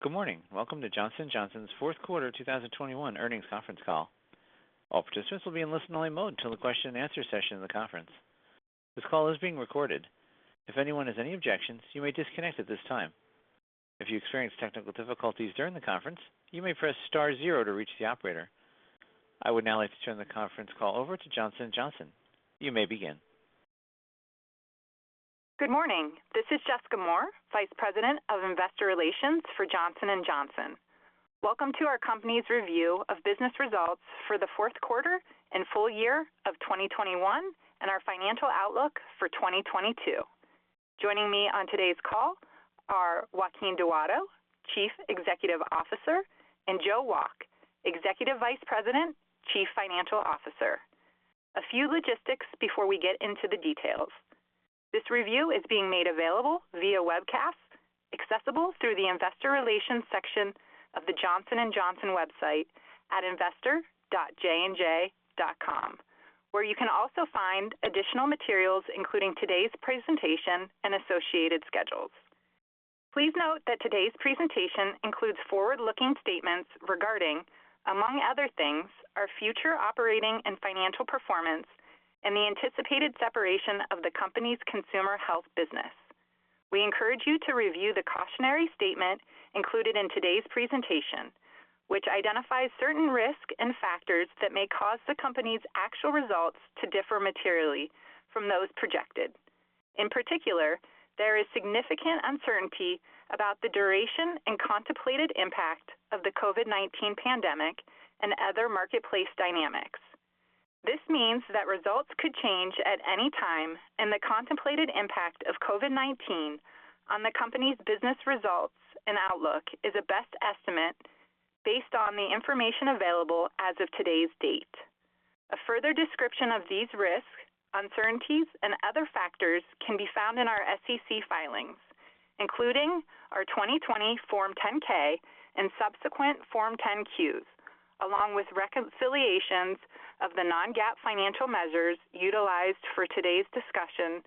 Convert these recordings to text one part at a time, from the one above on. Good morning. Welcome to Johnson & Johnson's Q4 2021 earnings conference call. All participants will be in listen-only mode until the question and answer session of the conference. This call is being recorded. If anyone has any objections, you may disconnect at this time. If you experience technical difficulties during the conference, you may press star zero to reach the operator. I would now like to turn the conference call over to Johnson & Johnson. You may begin. Good morning. This is Jessica Moore, Vice President of Investor Relations for Johnson & Johnson. Welcome to our company's review of business results for the Q4 and full year of 2021 and our financial outlook for 2022. Joining me on today's call are Joaquín Duato, Chief Executive Officer, and Joe Wolk, Executive Vice President, Chief Financial Officer. A few logistics before we get into the details. This review is being made available via webcast, accessible through the Investor Relations section of the Johnson & Johnson website at investor.jnj.com, where you can also find additional materials, including today's presentation and associated schedules. Please note that today's presentation includes forward-looking statements regarding, among other things, our future operating and financial performance and the anticipated separation of the company's consumer health business. We encourage you to review the cautionary statement included in today's presentation, which identifies certain risks and factors that may cause the company's actual results to differ materially from those projected. In particular, there is significant uncertainty about the duration and contemplated impact of the COVID-19 pandemic and other marketplace dynamics. This means that results could change at any time, and the contemplated impact of COVID-19 on the company's business results and outlook is a best estimate based on the information available as of today's date. A further description of these risks, uncertainties, and other factors can be found in our SEC filings, including our 2020 Form 10-K and subsequent Form 10-Qs, along with reconciliations of the non-GAAP financial measures utilized for today's discussion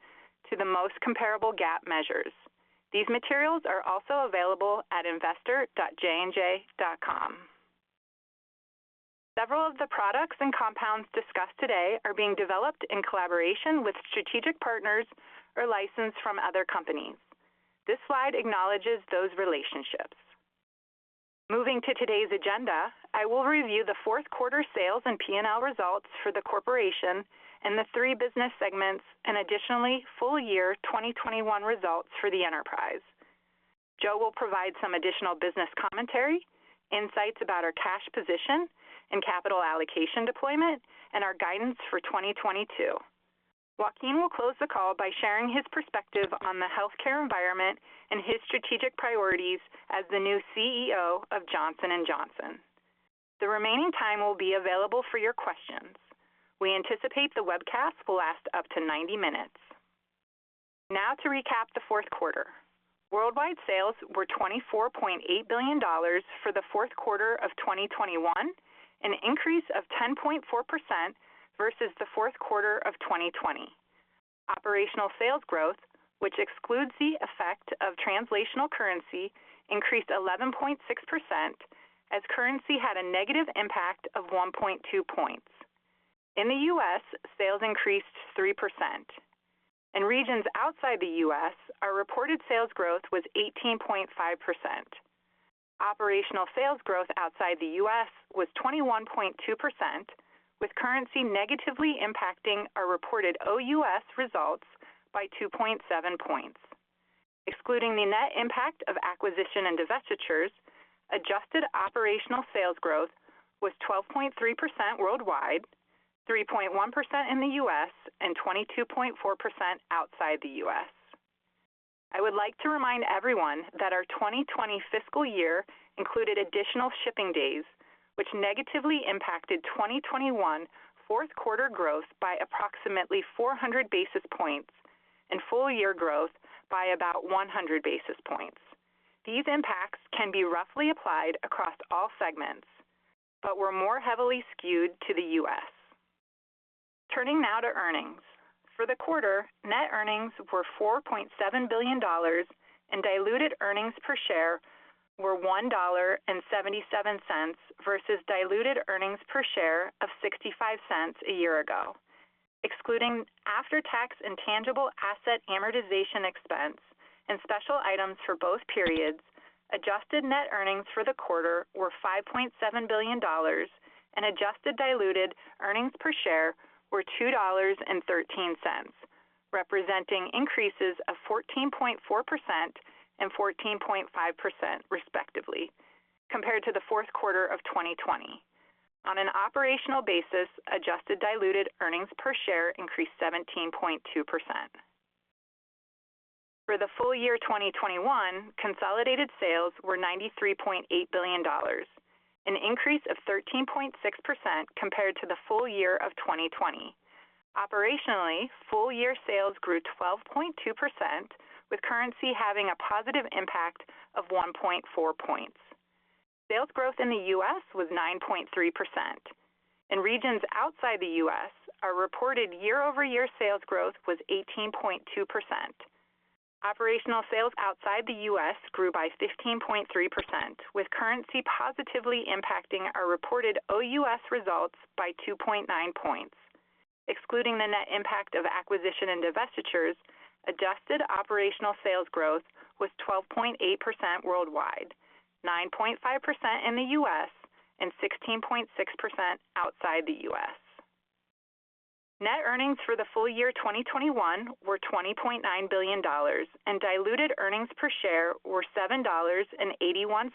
to the most comparable GAAP measures. These materials are also available at investor.jnj.com. Several of the products and compounds discussed today are being developed in collaboration with strategic partners or licensed from other companies. This slide acknowledges those relationships. Moving to today's agenda, I will review the Q4 sales and P&L results for the corporation and the three business segments and additionally full year 2021 results for the enterprise. Joe will provide some additional business commentary, insights about our cash position and capital allocation deployment, and our guidance for 2022. Joaquín will close the call by sharing his perspective on the healthcare environment and his strategic priorities as the new CEO of Johnson & Johnson. The remaining time will be available for your questions. We anticipate the webcast will last up to 90 minutes. Now to recap the Q4. Worldwide sales were $24.8 billion for the Q4 of 2021, an increase of 10.4% versus the Q4 of 2020. Operational sales growth, which excludes the effect of translational currency, increased 11.6% as currency had a negative impact of 1.2 points. In the U.S., sales increased 3%. In regions outside the U.S., our reported sales growth was 18.5%. Operational sales growth outside the U.S. was 21.2%, with currency negatively impacting our reported OUS results by 2.7 points. Excluding the net impact of acquisition and divestitures, adjusted operational sales growth was 12.3% worldwide, 3.1% in the U.S., and 22.4% outside the U.S. I would like to remind everyone that our 2020 fiscal year included additional shipping days, which negatively impacted 2021 Q4 growth by approximately 400 basis points and full year growth by about 100 basis points. These impacts can be roughly applied across all segments, but were more heavily skewed to the U.S. Turning now to earnings. For the quarter, net earnings were $4.7 billion and diluted earnings per share were $1.77 versus diluted earnings per share of $0.65 a year ago. Excluding after-tax intangible asset amortization expense and special items for both periods, adjusted net earnings for the quarter were $5.7 billion and adjusted diluted earnings per share were $2.13, representing increases of 14.4% and 14.5% respectively, compared to the Q4 of 2020. On an operational basis, adjusted diluted earnings per share increased 17.2%. For the full year 2021, consolidated sales were $93.8 billion, an increase of 13.6% compared to the full year of 2020. Operationally, full year sales grew 12.2%, with currency having a positive impact of 1.4 points. Sales growth in the U.S. was 9.3%. In regions outside the U.S., our reported year-over-year sales growth was 18.2%. Operational sales outside the U.S. grew by 15.3%, with currency positively impacting our reported OUS results by 2.9 points. Excluding the net impact of acquisition and divestitures, adjusted operational sales growth was 12.8% worldwide, 9.5% in the U.S., and 16.6% outside the U.S. Net earnings for the full year 2021 were $20.9 billion, and diluted earnings per share were $7.81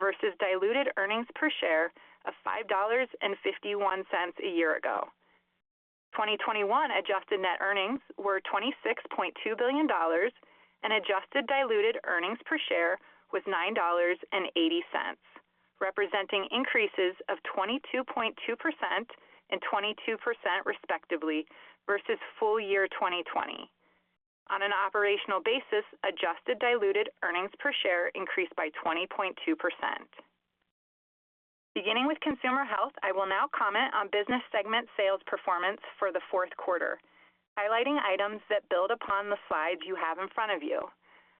versus diluted earnings per share of $5.51 a year ago. 2021 adjusted net earnings were $26.2 billion, and adjusted diluted earnings per share was $9.80, representing increases of 22.2% and 22% respectively versus full year 2020. On an operational basis, adjusted diluted earnings per share increased by 20.2%. Beginning with Consumer Health, I will now comment on business segment sales performance for the Q4, highlighting items that build upon the slides you have in front of you.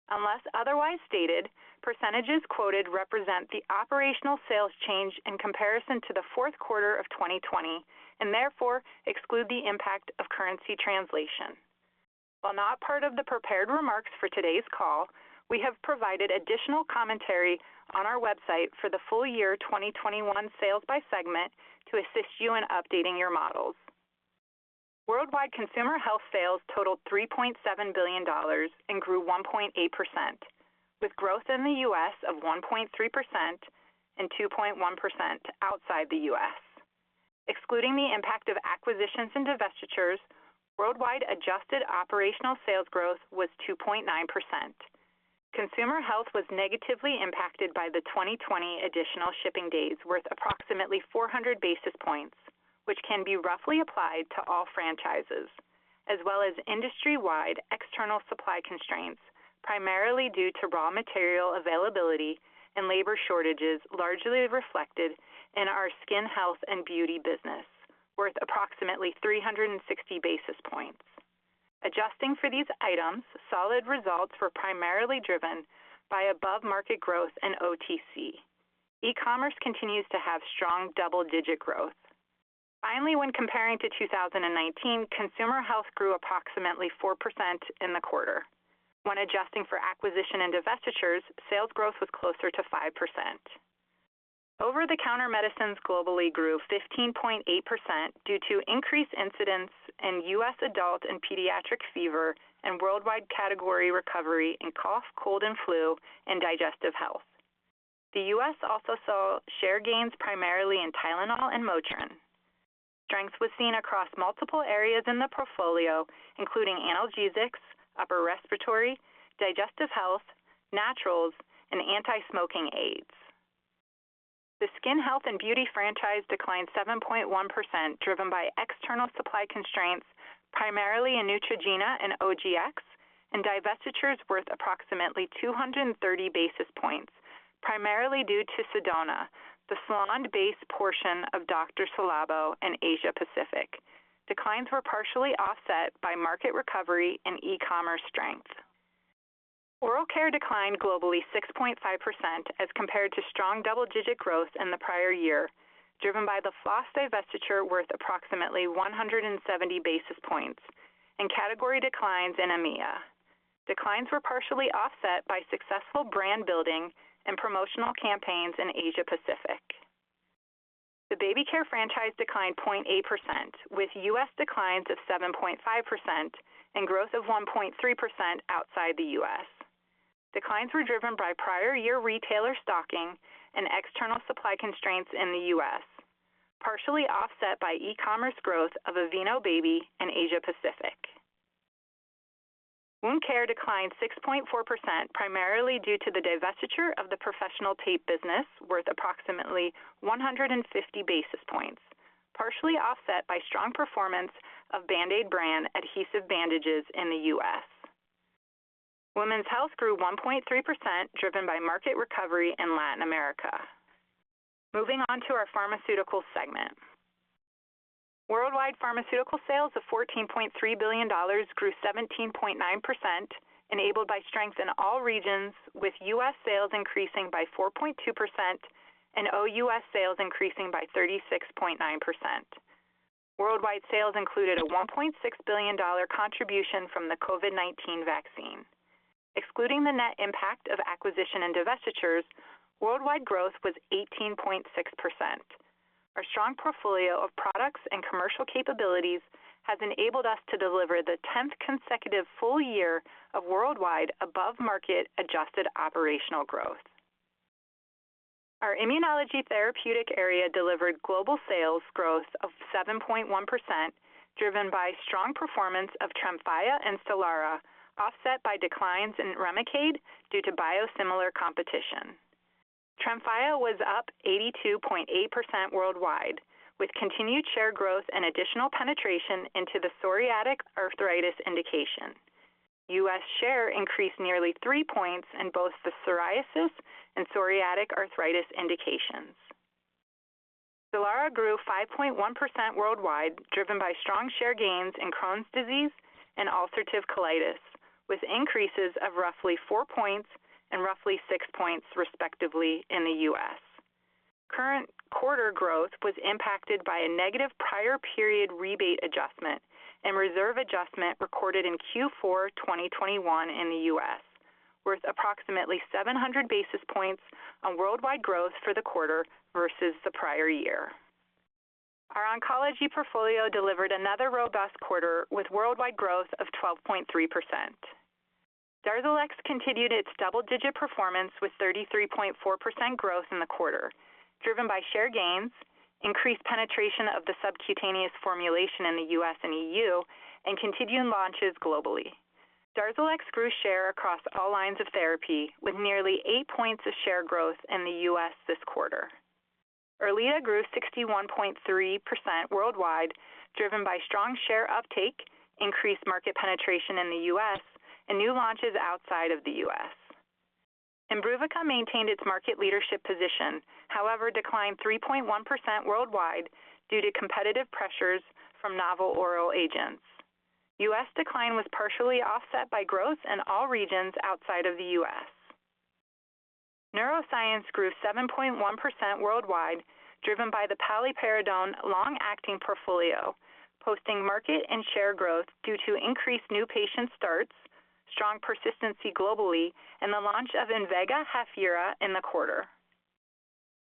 Unless otherwise stated, percentages quoted represent the operational sales change in comparison to the Q4 of 2020, and therefore exclude the impact of currency translation. While not part of the prepared remarks for today's call, we have provided additional commentary on our website for the full year 2021 sales by segment to assist you in updating your models. Worldwide Consumer Health sales totaled $3.7 billion and grew 1.8%, with growth in the U.S. of 1.3% and 2.1% outside the U.S. Excluding the impact of acquisitions and divestitures, worldwide adjusted operational sales growth was 2.9%. Consumer Health was negatively impacted by the 2020 additional shipping days worth approximately 400 basis points, which can be roughly applied to all franchises, as well as industry-wide external supply constraints, primarily due to raw material availability and labor shortages, largely reflected in our Skin Health and Beauty business, worth approximately 360 basis points. Adjusting for these items, solid results were primarily driven by above-market growth in OTC. E-commerce continues to have strong double-digit growth. Finally, when comparing to 2019, Consumer Health grew approximately 4% in the quarter. When adjusting for acquisitions and divestitures, sales growth was closer to 5%. Over-the-counter medicines globally grew 15.8% due to increased incidence in U.S. adult and pediatric fever and worldwide category recovery in cough, cold, and flu and digestive health. The U.S. also saw share gains primarily in Tylenol and Motrin. Strength was seen across multiple areas in the portfolio, including analgesics, upper respiratory, digestive health, naturals, and anti-smoking aids. The Skin Health and Beauty franchise declined 7.1%, driven by external supply constraints, primarily in Neutrogena and OGX, and divestitures worth approximately 230 basis points, primarily due to Ci:z Salon, the salon-based portion of Dr. Ci:Labo in Asia Pacific. Declines were partially offset by market recovery and e-commerce strength. Oral care declined globally 6.5% as compared to strong double-digit growth in the prior year, driven by the floss divestiture worth approximately 170 basis points and category declines in EMEA. Declines were partially offset by successful brand building and promotional campaigns in Asia Pacific. The Baby Care franchise declined 0.8%, with U.S. declines of 7.5% and growth of 1.3% outside the U.S. Declines were driven by prior year retailer stocking and external supply constraints in the U.S., partially offset by e-commerce growth of Aveeno Baby in Asia Pacific. Wound care declined 6.4%, primarily due to the divestiture of the professional tape business, worth approximately 150 basis points, partially offset by strong performance of Band-Aid brand adhesive bandages in the U.S. Women's Health grew 1.3%, driven by market recovery in Latin America. Moving on to our Pharmaceutical segment. Worldwide Pharmaceutical sales of $14.3 billion grew 17.9%, enabled by strength in all regions, with U.S. sales increasing by 4.2% and OUS sales increasing by 36.9%. Worldwide sales included a $1.6 billion dollar contribution from the COVID-19 vaccine. Excluding the net impact of acquisition and divestitures, worldwide growth was 18.6%. Our strong portfolio of products and commercial capabilities has enabled us to deliver the 10th consecutive full year of worldwide above-market adjusted operational growth. Our Immunology therapeutic area delivered global sales growth of 7.1%, driven by strong performance of TREMFYA and STELARA, offset by declines in Remicade due to biosimilar competition. TREMFYA was up 82.8% worldwide, with continued share growth and additional penetration into the psoriatic arthritis indication. U.S. share increased nearly three points in both the psoriasis and psoriatic arthritis indications. STELARA grew 5.1% worldwide, driven by strong share gains in Crohn's disease and ulcerative colitis, with increases of roughly four points and roughly six points, respectively, in the U.S. Current quarter growth was impacted by a negative prior period rebate adjustment and reserve adjustment recorded in Q4 2021 in the U.S., worth approximately 700 basis points on worldwide growth for the quarter versus the prior year. Our oncology portfolio delivered another robust quarter with worldwide growth of 12.3%. DARZALEX continued its double-digit performance with 33.4% growth in the quarter, driven by share gains, increased penetration of the subcutaneous formulation in the U.S. and EU, and continuing launches globally. DARZALEX grew share across all lines of therapy, with nearly eight points of share growth in the U.S. this quarter. ERLEADA grew 61.3% worldwide, driven by strong share uptake, increased market penetration in the U.S., and new launches outside of the U.S. IMBRUVICA maintained its market leadership position, however declined 3.1% worldwide due to competitive pressures from novel oral agents. U.S. decline was partially offset by growth in all regions outside of the U.S. Neuroscience grew 7.1% worldwide, driven by the paliperidone long-acting portfolio, posting market and share growth due to increased new patient starts, strong persistency globally, and the launch of INVEGA HAFYERA in the quarter.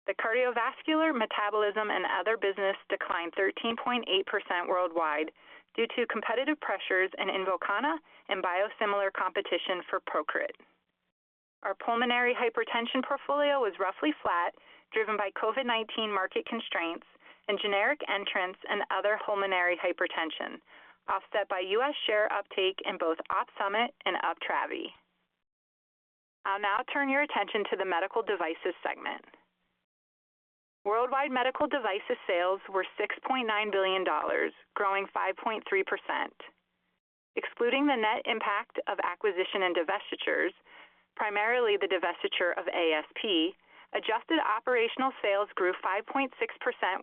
The cardiovascular, metabolism, and other business declined 13.8% worldwide due to competitive pressures in INVOKANA and biosimilar competition for PROCRIT. Our pulmonary hypertension portfolio was roughly flat, driven by COVID-19 market constraints and generic entrants in other pulmonary hypertension, offset by U.S. share uptake in both OPSUMIT and UPTRAVI. I'll now turn your attention to the Medical Devices segment. Worldwide Medical Devices sales were $6.9 billion, growing 5.3%. Excluding the net impact of acquisition and divestitures, primarily the divestiture of ASP, adjusted operational sales grew 5.6%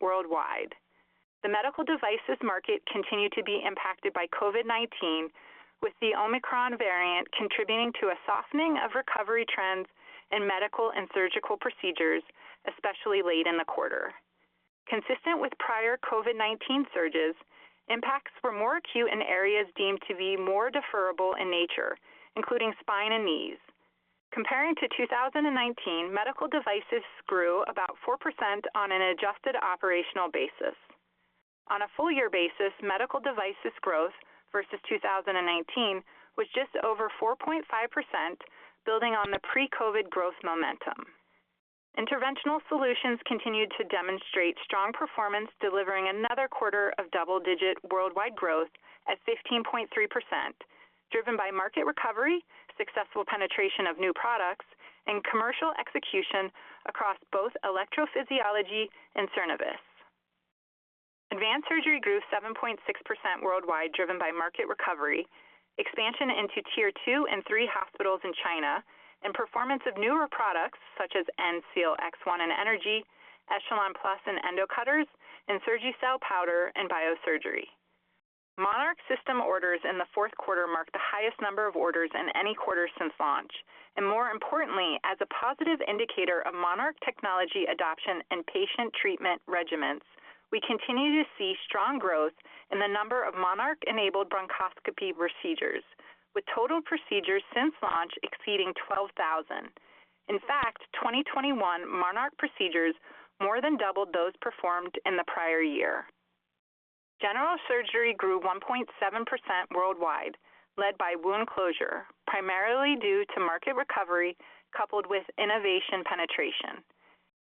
worldwide. The Medical Devices market continued to be impacted by COVID-19, with the Omicron variant contributing to a softening of recovery trends in medical and surgical procedures, especially late in the quarter. Consistent with prior COVID-19 surges, impacts were more acute in areas deemed to be more deferrable in nature, including spine and knees. Comparing to 2019, Medical Devices grew about 4% on an adjusted operational basis. On a full year basis, Medical Devices growth versus 2019 was just over 4.5%, building on the pre-COVID growth momentum. Interventional solutions continued to demonstrate strong performance, delivering another quarter of double-digit worldwide growth at 15.3%, driven by market recovery, successful penetration of new products, and commercial execution across both electrophysiology and CERENOVUS. Advanced Surgery grew 7.6% worldwide, driven by market recovery, expansion into tier two and three hospitals in China, and performance of newer products such as ENSEAL X1 and energy, ECHELON+ and endocutters, and SURGICEL powder and Biosurgery. Monarch system orders in the Q4 marked the highest number of orders in any quarter since launch, and more importantly, as a positive indicator of Monarch technology adoption and patient treatment regimens, we continue to see strong growth in the number of Monarch-enabled bronchoscopy procedures, with total procedures since launch exceeding 12,000. In fact, 2021 Monarch procedures more than doubled those performed in the prior year. General Surgery grew 1.7% worldwide, led by Wound Closure, primarily due to market recovery coupled with innovation penetration.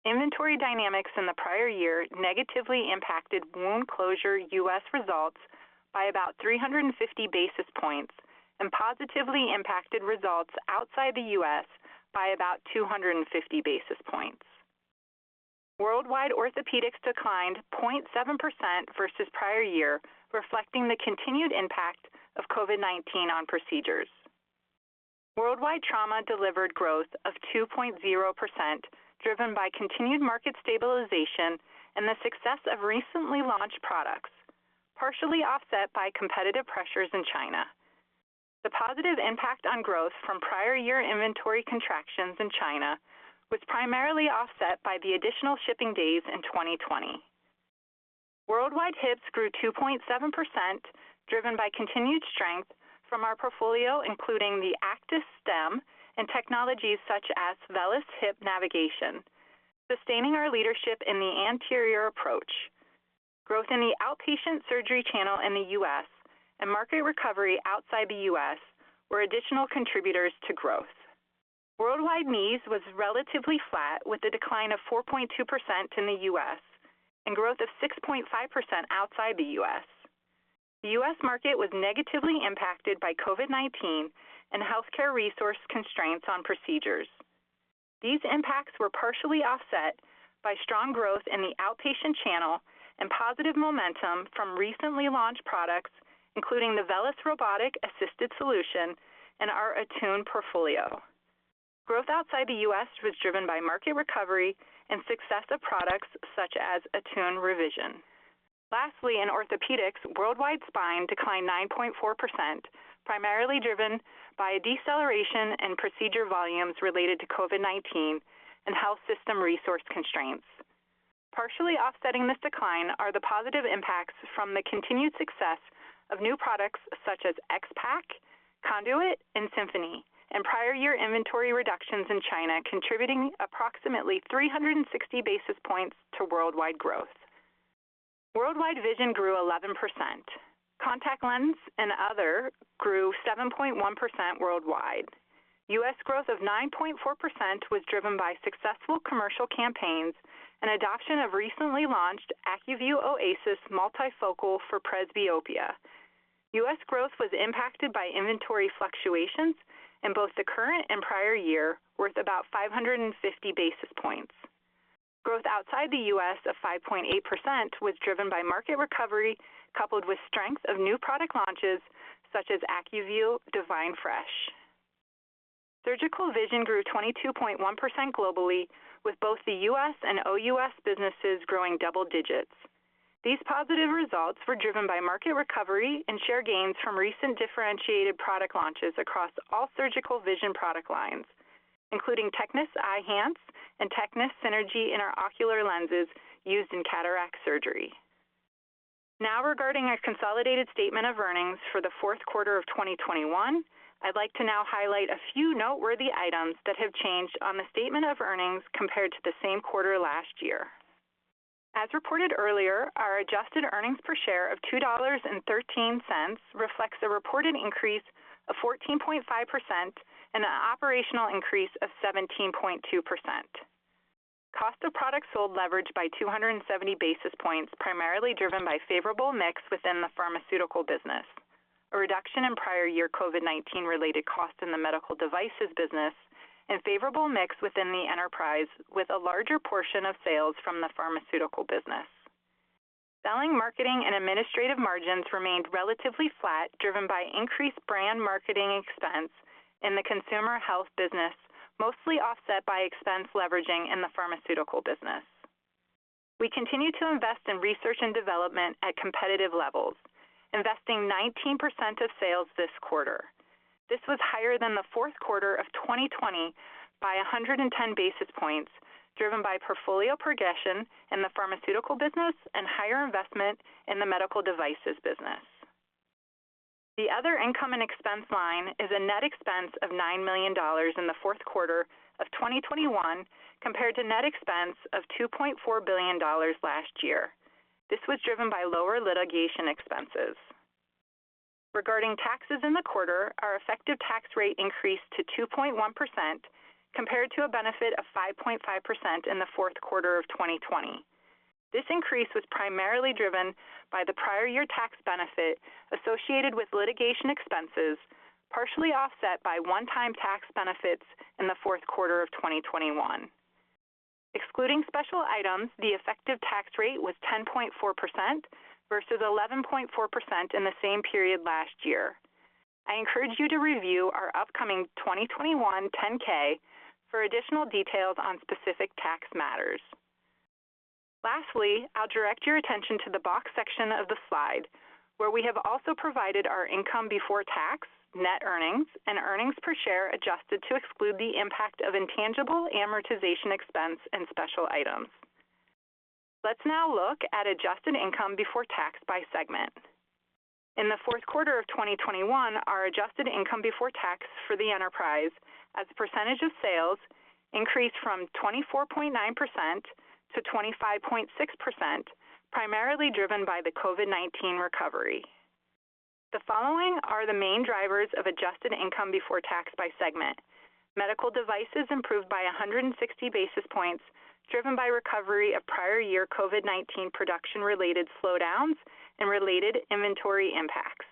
Inventory dynamics in the prior year negatively impacted Wound Closure U.S. results by about 350 basis points and positively impacted results outside the U.S. by about 250 basis points. Worldwide Orthopedics declined 0.7% versus prior year, reflecting the continued impact of COVID-19 on procedures. Worldwide Trauma delivered growth of 2.0%, driven by continued market stabilization and the success of recently launched products, partially offset by competitive pressures in China. The positive impact on growth from prior year inventory contractions in China was primarily offset by the additional shipping days in 2020. Worldwide hips grew 2.7%, driven by continued strength from our portfolio, including the ACTIS stem and technologies such as VELYS hip navigation, sustaining our leadership in the anterior approach. Growth in the outpatient surgery channel in the U.S. and market recovery outside the U.S. were additional contributors to growth. Worldwide knees was relatively flat, with a decline of 4.2% in the U.S. and growth of 6.5% outside the U.S. The U.S. market was negatively impacted by COVID-19 and healthcare resource constraints on procedures. These impacts were partially offset by strong growth in the outpatient channel and positive momentum from recently launched products, including the VELYS robotic-assisted solution and our ATTUNE portfolio. Growth outside the U.S. was driven by market recovery and success of products such as ATTUNE Revision. Lastly, in orthopedics, worldwide spine declined 9.4%, primarily driven by a deceleration in procedure volumes related to COVID-19 and health system resource constraints. Partially offsetting this decline are the positive impacts from the continued success of new products such as XPAC, CONDUIT, and SYMPHONY, and prior year inventory reductions in China contributing approximately 360 basis points to worldwide growth. Worldwide vision grew 11%. Contact Lens and Other grew 7.1% worldwide. U.S. growth of 9.4% was driven by successful commercial campaigns and adoption of recently launched ACUVUE OASYS MULTIFOCAL for presbyopia. U.S. growth was impacted by inventory fluctuations in both the current and prior year worth about 550 basis points. Growth outside the U.S. of 5.8% was driven by market recovery coupled with strength of new product launches such as ACUVUE DEFINE Fresh. Surgical vision grew 22.1% globally with both the U.S. and OUS businesses growing double digits. These positive results were driven by market recovery and share gains from recent differentiated product launches across all surgical vision product lines, including TECNIS Eyhance and TECNIS Synergy in our ocular lenses used in cataract surgery. Now regarding our consolidated statement of earnings for the Q4 of 2021, I'd like to now highlight a few noteworthy items that have changed on the statement of earnings compared to the same quarter last year. As reported earlier, our adjusted earnings per share of $2.13 reflects a reported increase of 14.5% and an operational increase of 17.2%. Cost of products sold leveraged by 270 basis points, primarily driven by favorable mix within the pharmaceutical business. A reduction in prior year COVID-19 related costs in the medical devices business and favorable mix within the enterprise with a larger portion of sales from the pharmaceutical business. Selling, marketing and administrative margins remained relatively flat, driven by increased brand marketing expense in the consumer health business, mostly offset by expense leveraging in the pharmaceutical business. We continue to invest in research and development at competitive levels, investing 19% of sales this quarter. This was higher than the Q4 of 2020 by 110 basis points, driven by portfolio progression in the pharmaceutical business and higher investment in the medical devices business. The other income and expense line is a net expense of $9 million in the Q4 of 2021 compared to net expense of $2.4 billion last year. This was driven by lower litigation expenses. Regarding taxes in the quarter, our effective tax rate increased to 2.1% compared to a benefit of 5.5% in the Q4 of 2020. This increase was primarily driven by the prior year tax benefit associated with litigation expenses, partially offset by one-time tax benefits in the Q4 of 2021. Excluding special items, the effective tax rate was 10.4% versus 11.4% in the same period last year. I encourage you to review our upcoming 2021 10-K for additional details on specific tax matters. Lastly, I'll direct your attention to the box section of the slide, where we have also provided our income before tax, net earnings, and earnings per share adjusted to exclude the impact of intangible amortization expense and special items. Let's now look at adjusted income before tax by segment. In the Q4 of 2021, our adjusted income before tax for the enterprise as a percentage of sales increased from 24.9% to 25.6%, primarily driven by the COVID-19 recovery. The following are the main drivers of adjusted income before tax by segment. Medical Devices improved by 160 basis points, driven by recovery of prior year COVID-19 production-related slowdowns and related inventory impacts.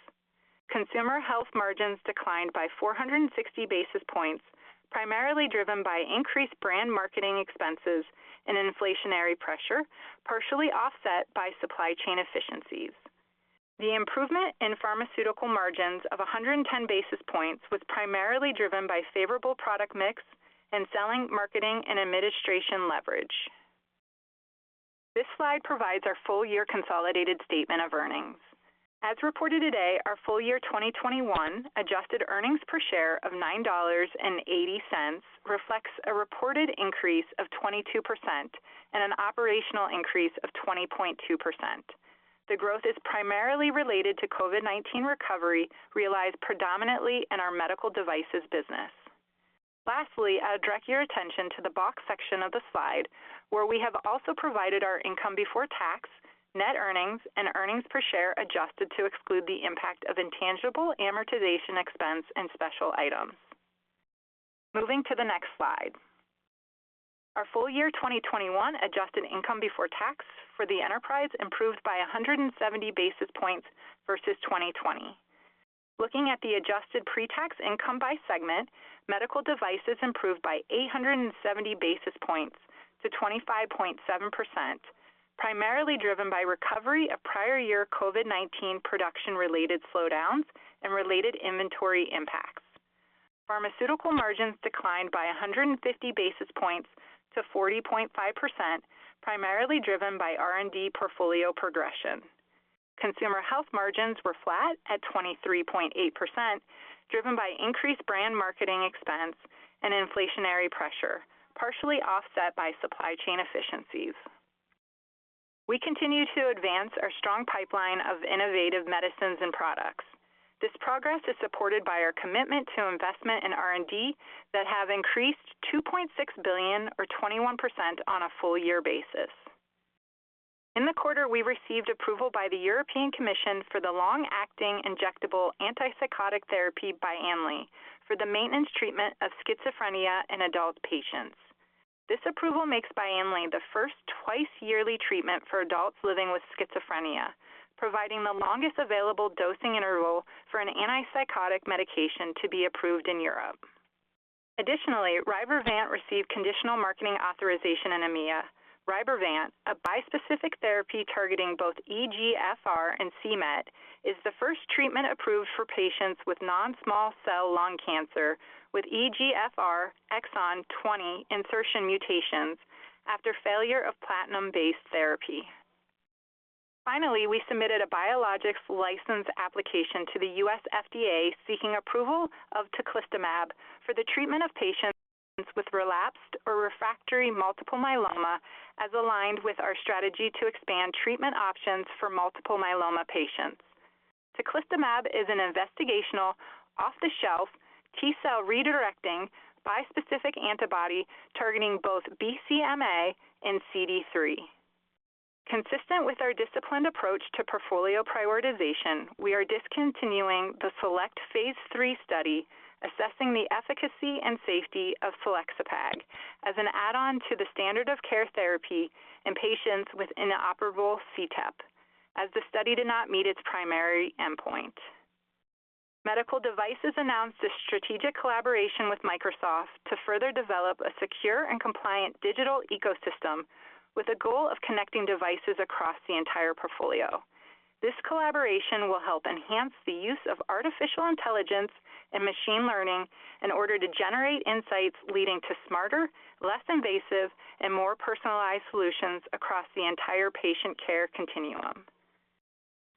Consumer Health margins declined by 460 basis points, primarily driven by increased brand marketing expenses and inflationary pressure, partially offset by supply chain efficiencies. The improvement in pharmaceutical margins of 110 basis points was primarily driven by favorable product mix and selling, marketing and administration leverage. This slide provides our full year 2021 consolidated statement of earnings. As reported today, our full year 2021 adjusted earnings per share of $9.80 reflects a reported increase of 22% and an operational increase of 20.2%. The growth is primarily related to COVID-19 recovery realized predominantly in our medical devices business. Lastly, I would direct your attention to the box section of the slide, where we have also provided our income before tax, net earnings, and earnings per share adjusted to exclude the impact of intangible amortization expense and special items. Moving to the next slide. Our full year 2021 adjusted income before tax for the enterprise improved by 170 basis points versus 2020. Looking at the adjusted pre-tax income by segment, Medical Devices improved by 870 basis points to 25.7%, primarily driven by recovery of prior year COVID-19 production related slowdowns and related inventory impacts. Pharmaceutical margins declined by 150 basis points to 40.5%, primarily driven by R&D portfolio progression. Consumer Health margins were flat at 23.8%, driven by increased brand marketing expense and inflationary pressure, partially offset by supply chain efficiencies. We continue to advance our strong pipeline of innovative medicines and products. This progress is supported by our commitment to investment in R&D that have increased $2.6 billion or 21% on a full year basis. In the quarter, we received approval by the European Commission for the long-acting injectable antipsychotic therapy, BYANNLI, for the maintenance treatment of schizophrenia in adult patients. This approval makes BYANNLI the first twice yearly treatment for adults living with schizophrenia, providing the longest available dosing interval for an antipsychotic medication to be approved in Europe. Additionally, RYBREVANT received conditional marketing authorization in EMEA. RYBREVANT, a bispecific therapy targeting both EGFR and c-Met, is the first treatment approved for patients with non-small cell lung cancer with EGFR exon 20 insertion mutations after failure of platinum-based therapy. Finally, we submitted a biologics license application to the U.S. FDA seeking approval of teclistamab for the treatment of patients with relapsed or refractory multiple myeloma, as aligned with our strategy to expand treatment options for multiple myeloma patients. Teclistamab is an investigational off-the-shelf T-cell redirecting bispecific antibody targeting both BCMA and CD3. Consistent with our disciplined approach to portfolio prioritization, we are discontinuing the SELECT study assessing the efficacy and safety of selexipag as an add-on to the standard of care therapy in patients with inoperable CTEPH, as the study did not meet its primary endpoint. Medical Devices announced a strategic collaboration with Microsoft to further develop a secure and compliant digital ecosystem with a goal of connecting devices across the entire portfolio. This collaboration will help enhance the use of artificial intelligence and machine learning in order to generate insights leading to smarter, less invasive and more personalized solutions across the entire patient care continuum.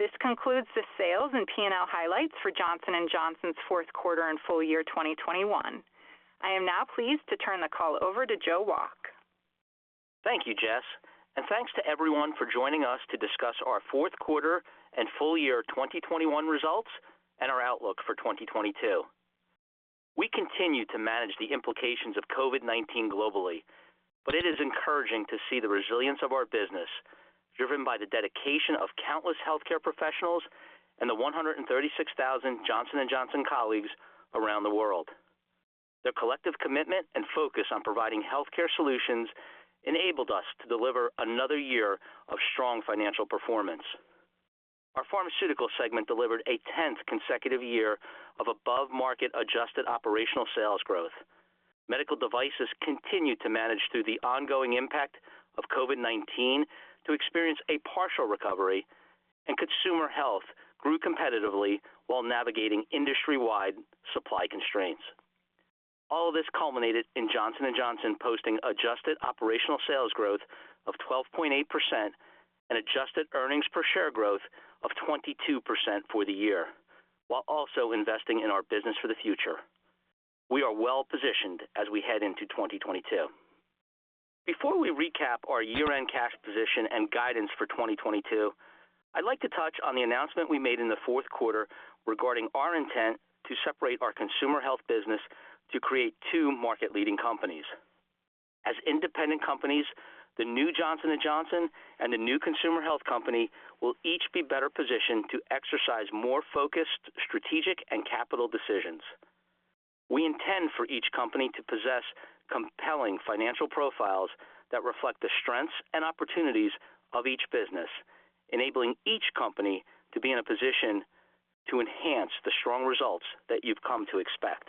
This concludes the sales and P&L highlights for Johnson & Johnson's Q4 and full year 2021. I am now pleased to turn the call over to Joe Wolk. Thank you, Jess, and thanks to everyone for joining us to discuss our Q4 and full year 2021 results and our outlook for 2022. We continue to manage the implications of COVID-19 globally, but it is encouraging to see the resilience of our business, driven by the dedication of countless healthcare professionals and the 136,000 Johnson & Johnson colleagues around the world. Their collective commitment and focus on providing healthcare solutions enabled us to deliver another year of strong financial performance. Our Pharmaceutical segment delivered a tenth consecutive year of above-market adjusted operational sales growth. Medical Devices continued to manage through the ongoing impact of COVID-19 to experience a partial recovery, and Consumer Health grew competitively while navigating industry-wide supply constraints. All of this culminated in Johnson & Johnson posting adjusted operational sales growth of 12.8% and adjusted earnings per share growth of 22% for the year, while also investing in our business for the future. We are well-positioned as we head into 2022. Before we recap our year-end cash position and guidance for 2022, I'd like to touch on the announcement we made in the Q4 regarding our intent to separate our Consumer Health business to create two market-leading companies. As independent companies, the new Johnson & Johnson and the new Consumer Health company will each be better positioned to exercise more focused strategic and capital decisions. We intend for each company to possess compelling financial profiles that reflect the strengths and opportunities of each business, enabling each company to be in a position to enhance the strong results that you've come to expect.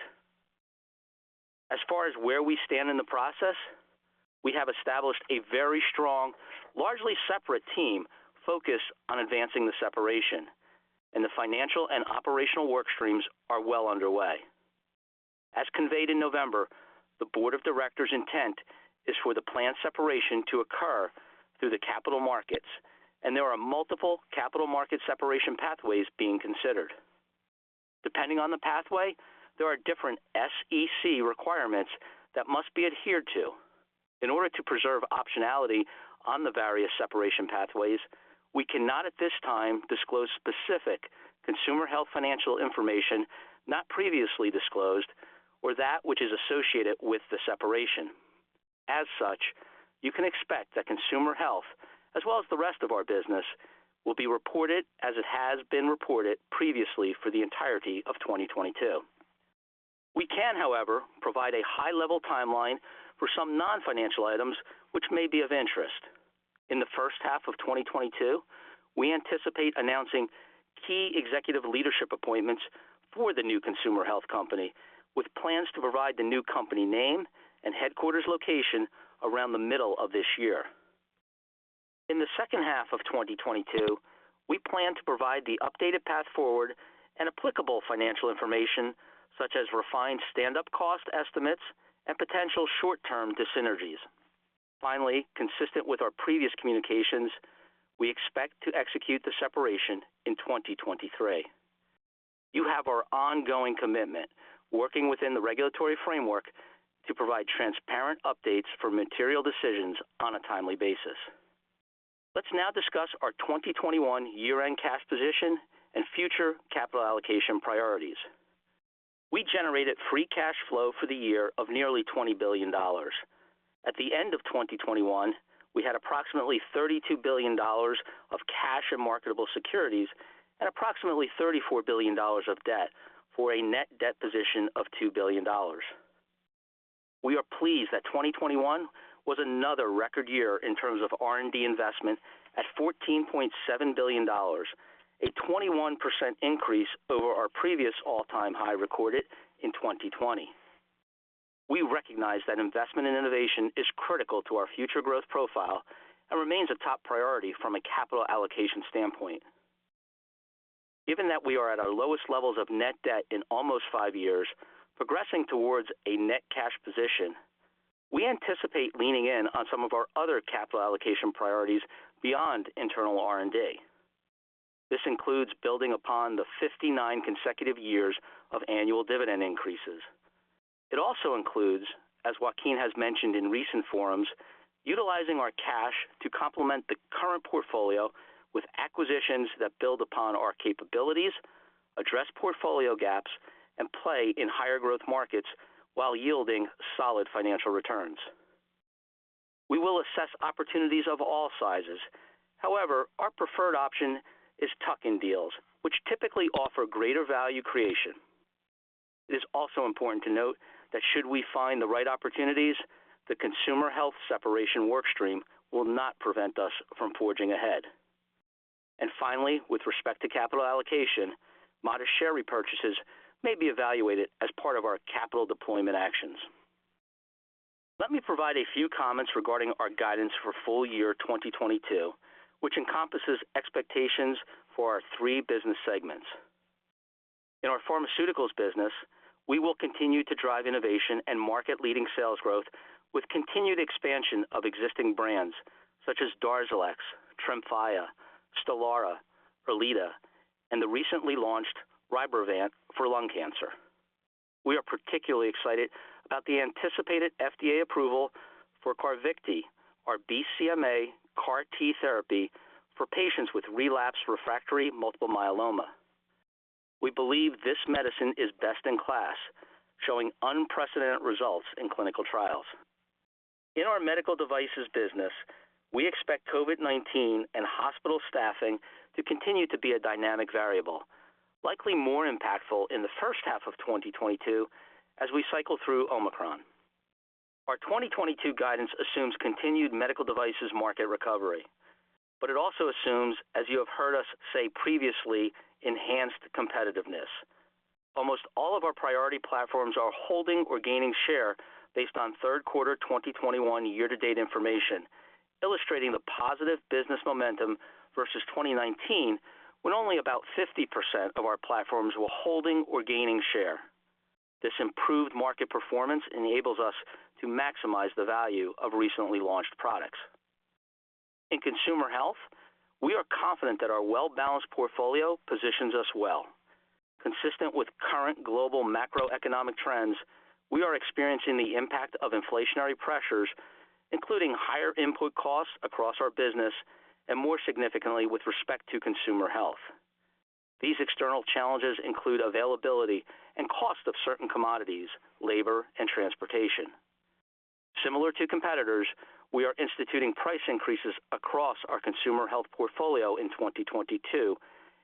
As far as where we stand in the process, we have established a very strong, largely separate team focused on advancing the separation, and the financial and operational work streams are well underway. As conveyed in November, the board of directors' intent is for the planned separation to occur through the capital markets, and there are multiple capital market separation pathways being considered. Depending on the pathway, there are different SEC requirements that must be adhered to. In order to preserve optionality on the various separation pathways, we cannot at this time disclose specific Consumer Health financial information not previously disclosed or that which is associated with the separation. As such, you can expect that Consumer Health, as well as the rest of our business, will be reported as it has been reported previously for the entirety of 2022. We can, however, provide a high-level timeline for some non-financial items which may be of interest. In the H1 of 2022, we anticipate announcing key executive leadership appointments for the new consumer health company, with plans to provide the new company name and headquarters location around the middle of this year. In the H2 of 2022, we plan to provide the updated path forward and applicable financial information, such as refined standup cost estimates and potential short-term dyssynergies. Finally, consistent with our previous communications, we expect to execute the separation in 2023. You have our ongoing commitment, working within the regulatory framework to provide transparent updates for material decisions on a timely basis. Let's now discuss our 2021 year-end cash position and future capital allocation priorities. We generated free cash flow for the year of nearly $20 billion. At the end of 2021, we had approximately $32 billion of cash and marketable securities and approximately $34 billion of debt for a net debt position of $2 billion. We are pleased that 2021 was another record year in terms of R&D investment at $14.7 billion, a 21% increase over our previous all-time high recorded in 2020. We recognize that investment in innovation is critical to our future growth profile and remains a top priority from a capital allocation standpoint. Given that we are at our lowest levels of net debt in almost five years, progressing towards a net cash position, we anticipate leaning in on some of our other capital allocation priorities beyond internal R&D. This includes building upon the 59 consecutive years of annual dividend increases. It also includes, as Joaquín has mentioned in recent forums, utilizing our cash to complement the current portfolio with acquisitions that build upon our capabilities, address portfolio gaps, and play in higher growth markets while yielding solid financial returns. We will assess opportunities of all sizes. However, our preferred option is tuck-in deals, which typically offer greater value creation. It is also important to note that should we find the right opportunities, the consumer health separation work stream will not prevent us from forging ahead. Finally, with respect to capital allocation, modest share repurchases may be evaluated as part of our capital deployment actions. Let me provide a few comments regarding our guidance for full year 2022, which encompasses expectations for our three business segments. In our Pharmaceuticals business, we will continue to drive innovation and market-leading sales growth with continued expansion of existing brands such as DARZALEX, TREMFYA, STELARA, ERLEADA, and the recently launched RYBREVANT for lung cancer. We are particularly excited about the anticipated FDA approval for CARVYKTI, our BCMA CAR T therapy for patients with relapsed refractory multiple myeloma. We believe this medicine is best in class, showing unprecedented results in clinical trials. In our Medical Devices business, we expect COVID-19 and hospital staffing to continue to be a dynamic variable, likely more impactful in the H1 of 2022 as we cycle through Omicron. Our 2022 guidance assumes continued medical devices market recovery, but it also assumes, as you have heard us say previously, enhanced competitiveness. Almost all of our priority platforms are holding or gaining share based on Q3 2021 year-to-date information, illustrating the positive business momentum versus 2019 when only about 50% of our platforms were holding or gaining share. This improved market performance enables us to maximize the value of recently launched products. In Consumer Health, we are confident that our well-balanced portfolio positions us well. Consistent with current global macroeconomic trends, we are experiencing the impact of inflationary pressures, including higher input costs across our business and more significantly with respect to Consumer Health. These external challenges include availability and cost of certain commodities, labor, and transportation. Similar to competitors, we are instituting price increases across our consumer health portfolio in 2022,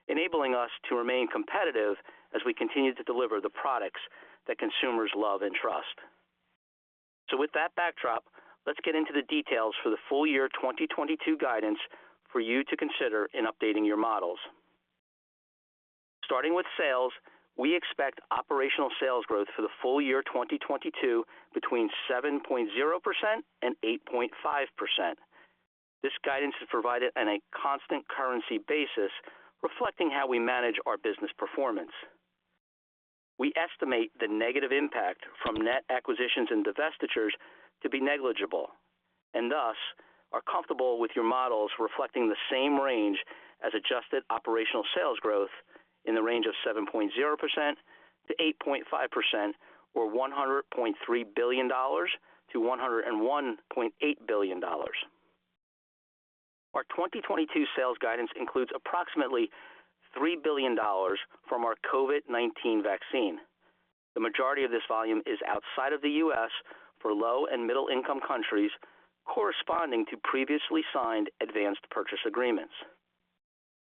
enabling us to remain competitive as we continue to deliver the products that consumers love and trust. With that backdrop, let's get into the details for the full year 2022 guidance for you to consider in updating your models. Starting with sales, we expect operational sales growth for the full year 2022 between 7.0% and 8.5%. This guidance is provided on a constant currency basis reflecting how we manage our business performance. We estimate the negative impact from net acquisitions and divestitures to be negligible and thus are comfortable with your models reflecting the same range as adjusted operational sales growth in the range of 7.0%-8.5% or $100.3 billion-$101.8 billion. Our 2022 sales guidance includes approximately $3 billion from our COVID-19 vaccine. The majority of this volume is outside of the U.S. for low and middle income countries corresponding to previously signed advanced purchase agreements.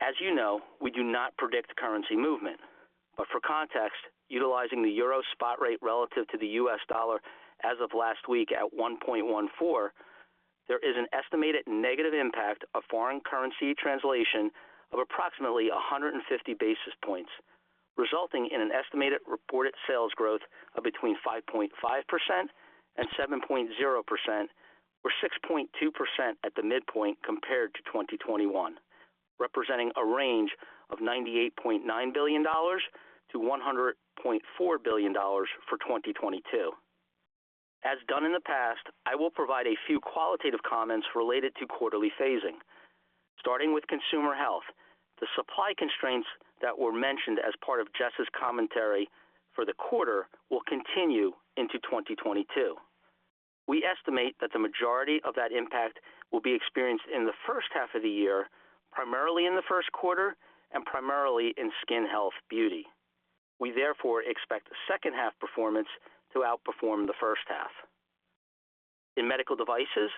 As you know, we do not predict currency movement. For context, utilizing the euro spot rate relative to the US dollar as of last week at 1.14, there is an estimated negative impact of foreign currency translation of approximately 150 basis points, resulting in an estimated reported sales growth of between 5.5% and 7.0% or 6.2% at the midpoint compared to 2021, representing a range of $98.9 billion to $100.4 billion for 2022. As done in the past, I will provide a few qualitative comments related to quarterly phasing. Starting with Consumer Health, the supply constraints that were mentioned as part of Jess's commentary for the quarter will continue into 2022. We estimate that the majority of that impact will be experienced in the H1 of the year, primarily in the Q1 and primarily in skin health beauty. We therefore expect H2 performance to outperform the H1. In medical devices,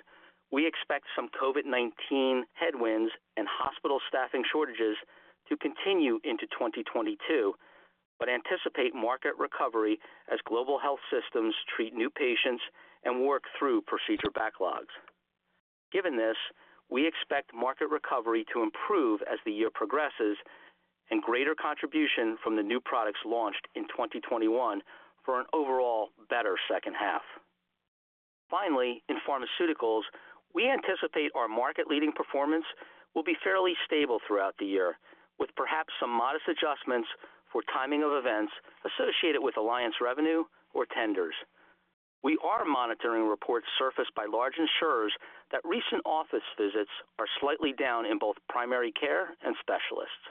we expect some COVID-19 headwinds and hospital staffing shortages to continue into 2022, but anticipate market recovery as global health systems treat new patients and work through procedure backlogs. Given this, we expect market recovery to improve as the year progresses and greater contribution from the new products launched in 2021 for an overall better H2. Finally, in pharmaceuticals, we anticipate our market-leading performance will be fairly stable throughout the year, with perhaps some modest adjustments for timing of events associated with alliance revenue or tenders. We are monitoring reports surfaced by large insurers that recent office visits are slightly down in both primary care and specialists.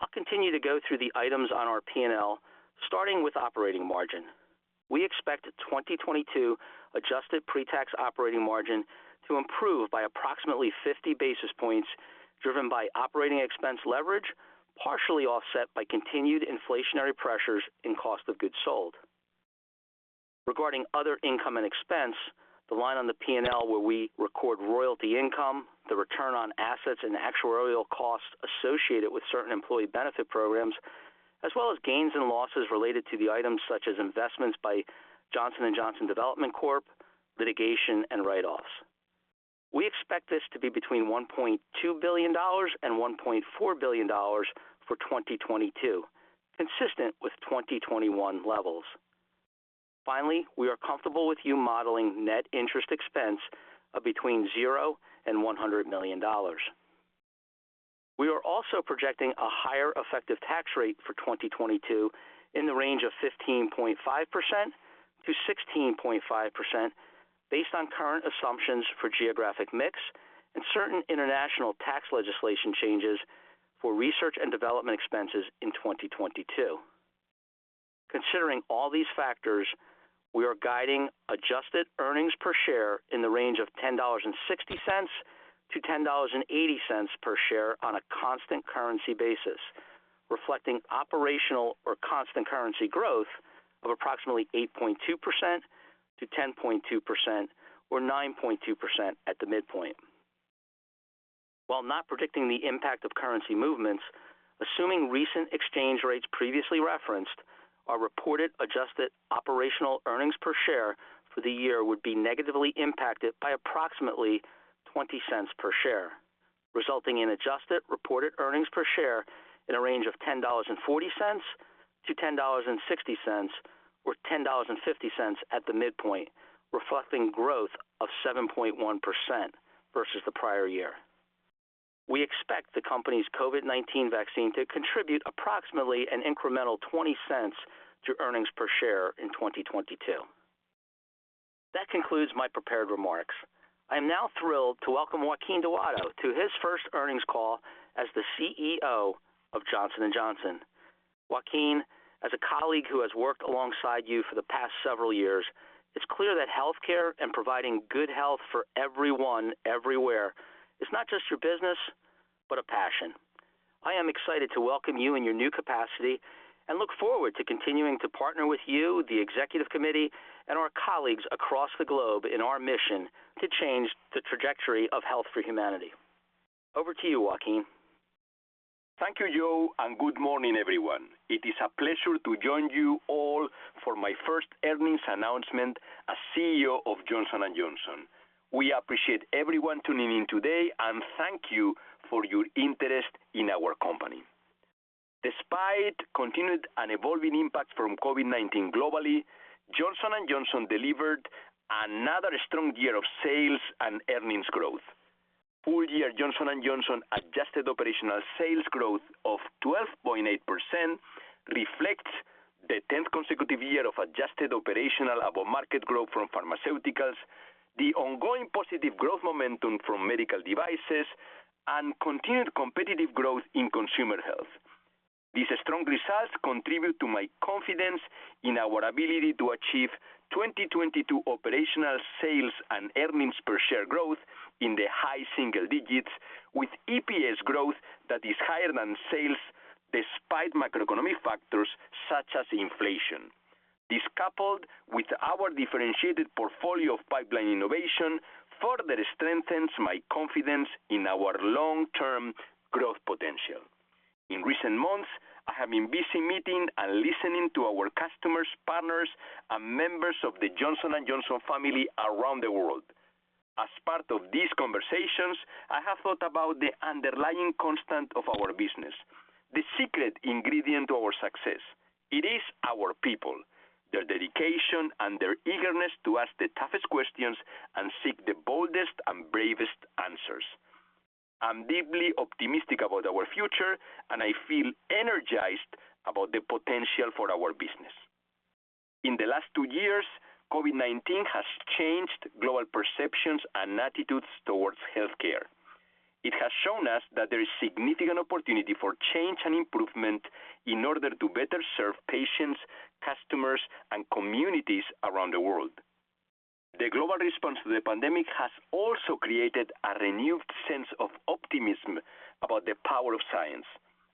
I'll continue to go through the items on our P&L, starting with operating margin. We expect 2022 adjusted pre-tax operating margin to improve by approximately 50 basis points, driven by operating expense leverage, partially offset by continued inflationary pressures in cost of goods sold. Regarding other income and expense, the line on the P&L where we record royalty income, the return on assets and actuarial costs associated with certain employee benefit programs, as well as gains and losses related to the items such as investments by Johnson & Johnson Development Corporation, litigation and write-offs. We expect this to be between $1.2 billion and $1.4 billion for 2022, consistent with 2021 levels. Finally, we are comfortable with you modeling net interest expense of between $0-$100 million. We are also projecting a higher effective tax rate for 2022 in the range of 15.5%-16.5% based on current assumptions for geographic mix and certain international tax legislation changes for research and development expenses in 2022. Considering all these factors, we are guiding adjusted earnings per share in the range of $10.60-$10.80 per share on a constant currency basis, reflecting operational or constant currency growth of approximately 8.2%-10.2% or 9.2% at the midpoint. While not predicting the impact of currency movements, assuming recent exchange rates previously referenced, our reported adjusted operational earnings per share for the year would be negatively impacted by approximately $0.20 per share, resulting in adjusted reported earnings per share in a range of $10.40-$10.60 or $10.50 at the midpoint, reflecting growth of 7.1% versus the prior year. We expect the company's COVID-19 vaccine to contribute approximately an incremental $0.20 to earnings per share in 2022. That concludes my prepared remarks. I am now thrilled to welcome Joaquín Duato to his first earnings call as the CEO of Johnson & Johnson. Joaquín, as a colleague who has worked alongside you for the past several years, it's clear that healthcare and providing good health for everyone, everywhere is not just your business, but a passion. I am excited to welcome you in your new capacity and look forward to continuing to partner with you, the executive committee and our colleagues across the globe in our mission to change the trajectory of health for humanity. Over to you, Joaquín. Thank you, Joe, and good morning, everyone. It is a pleasure to join you all for my first earnings announcement as CEO of Johnson & Johnson. We appreciate everyone tuning in today and thank you for your interest in our company. Despite continued and evolving impact from COVID-19 globally, Johnson & Johnson delivered another strong year of sales and earnings growth. Full year Johnson & Johnson adjusted operational sales growth of 12.8% reflects the 10th consecutive year of adjusted operational above-market growth from pharmaceuticals, the ongoing positive growth momentum from medical devices and continued competitive growth in consumer health. These strong results contribute to my confidence in our ability to achieve 2022 operational sales and earnings per share growth in the high single digits with EPS growth that is higher than sales despite macroeconomic factors such as inflation. This, coupled with our differentiated portfolio of pipeline innovation, further strengthens my confidence in our long-term growth potential. In recent months, I have been busy meeting and listening to our customers, partners, and members of the Johnson & Johnson family around the world. As part of these conversations, I have thought about the underlying constant of our business, the secret ingredient to our success. It is our people, their dedication, and their eagerness to ask the toughest questions and seek the boldest and bravest answers. I'm deeply optimistic about our future, and I feel energized about the potential for our business. In the last two years, COVID-19 has changed global perceptions and attitudes towards healthcare. It has shown us that there is significant opportunity for change and improvement in order to better serve patients, customers, and communities around the world. The global response to the pandemic has also created a renewed sense of optimism about the power of science.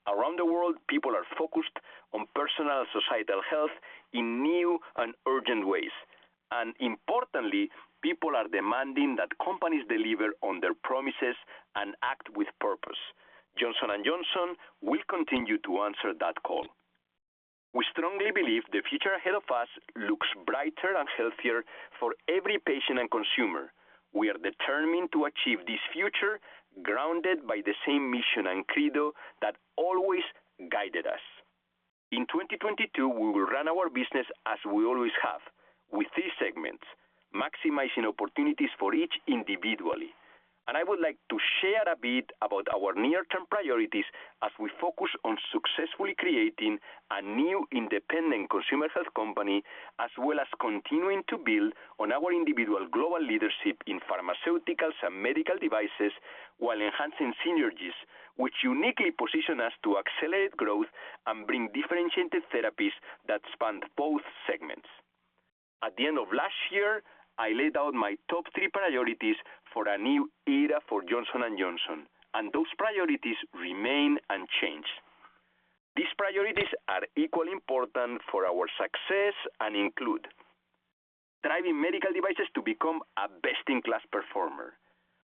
Around the world, people are focused on personal societal health in new and urgent ways. Importantly, people are demanding that companies deliver on their promises and act with purpose. Johnson & Johnson will continue to answer that call. We strongly believe the future ahead of us looks brighter and healthier for every patient and consumer. We are determined to achieve this future grounded by the same mission and credo that always guided us. In 2022, we will run our business as we always have, with these segments maximizing opportunities for each individually. I would like to share a bit about our near-term priorities as we focus on successfully creating a new independent consumer health company, as well as continuing to build on our individual global leadership in pharmaceuticals and medical devices while enhancing synergies which uniquely position us to accelerate growth and bring differentiated therapies that span both segments. At the end of last year, I laid out my top three priorities for a new era for Johnson & Johnson, and those priorities remain unchanged. These priorities are equally important for our success and include driving medical devices to become a best-in-class performer.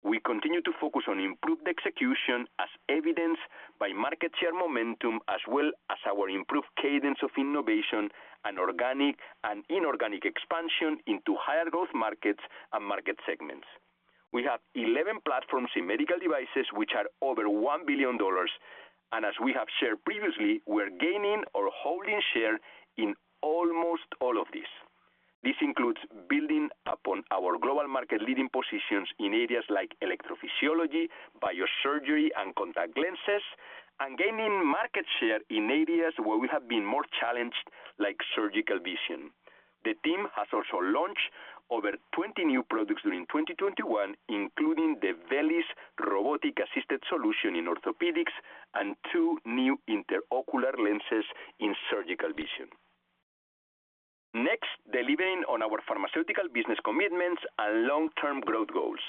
We continue to focus on improved execution as evidenced by market share momentum as well as our improved cadence of innovation and organic and inorganic expansion into higher growth markets and market segments. We have 11 platforms in medical devices which are over $1 billion and as we have shared previously, we're gaining or holding share in almost all of these. This includes building upon our global market leading positions in areas like electrophysiology, biosurgery, and contact lenses, and gaining market share in areas where we have been more challenged, like surgical vision. The team has also launched over 20 new products during 2021, including the VELYS robotic-assisted solution in orthopedics and two new intraocular lenses in surgical vision. Next, delivering on our pharmaceutical business commitments and long-term growth goals.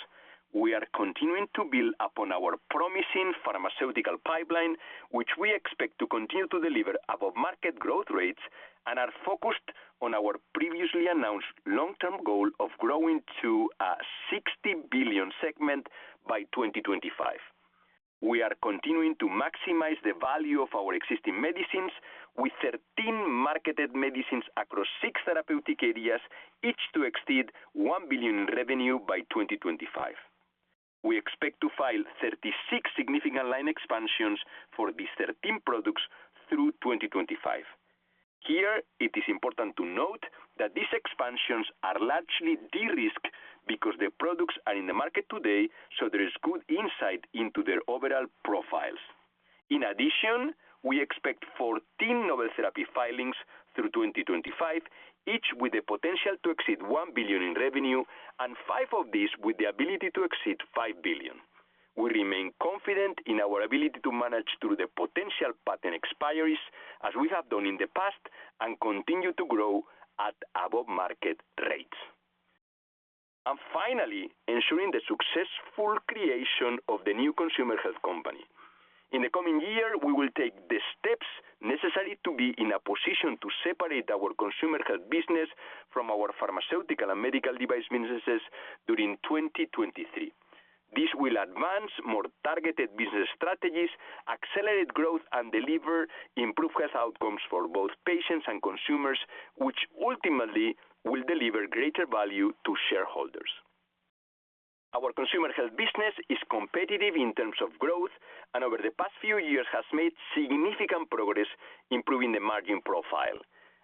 We are continuing to build upon our promising pharmaceutical pipeline, which we expect to continue to deliver above-market growth rates and are focused on our previously announced long-term goal of growing to a $60 billion segment by 2025. We are continuing to maximize the value of our existing medicines with 13 marketed medicines across six therapeutic areas, each to exceed $1 billion in revenue by 2025. We expect to file 36 significant line expansions for these 13 products through 2025. Here, it is important to note that these expansions are largely de-risked because the products are in the market today, so there is good insight into their overall profiles. In addition, we expect 14 novel therapy filings through 2025, each with the potential to exceed $1 billion in revenue and five of these with the ability to exceed $5 billion. We remain confident in our ability to manage through the potential patent expiries as we have done in the past and continue to grow at above-market rates. Finally, ensuring the successful creation of the new Consumer Health company. In the coming year, we will take the steps necessary to be in a position to separate our Consumer Health business from our pharmaceutical and medical device businesses during 2023. This will advance more targeted business strategies, accelerate growth, and deliver improved health outcomes for both patients and consumers, which ultimately will deliver greater value to shareholders. Our Consumer Health business is competitive in terms of growth, and over the past few years has made significant progress improving the margin profile.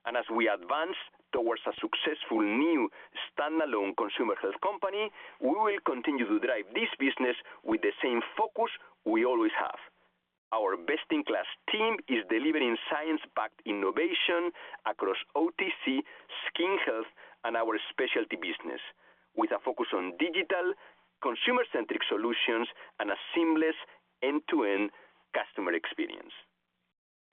As we advance towards a successful new standalone Consumer Health company, we will continue to drive this business with the same focus we always have. Our best-in-class team is delivering science-backed innovation across OTC, skin health, and our specialty business with a focus on digital consumer-centric solutions and a seamless end-to-end customer experience.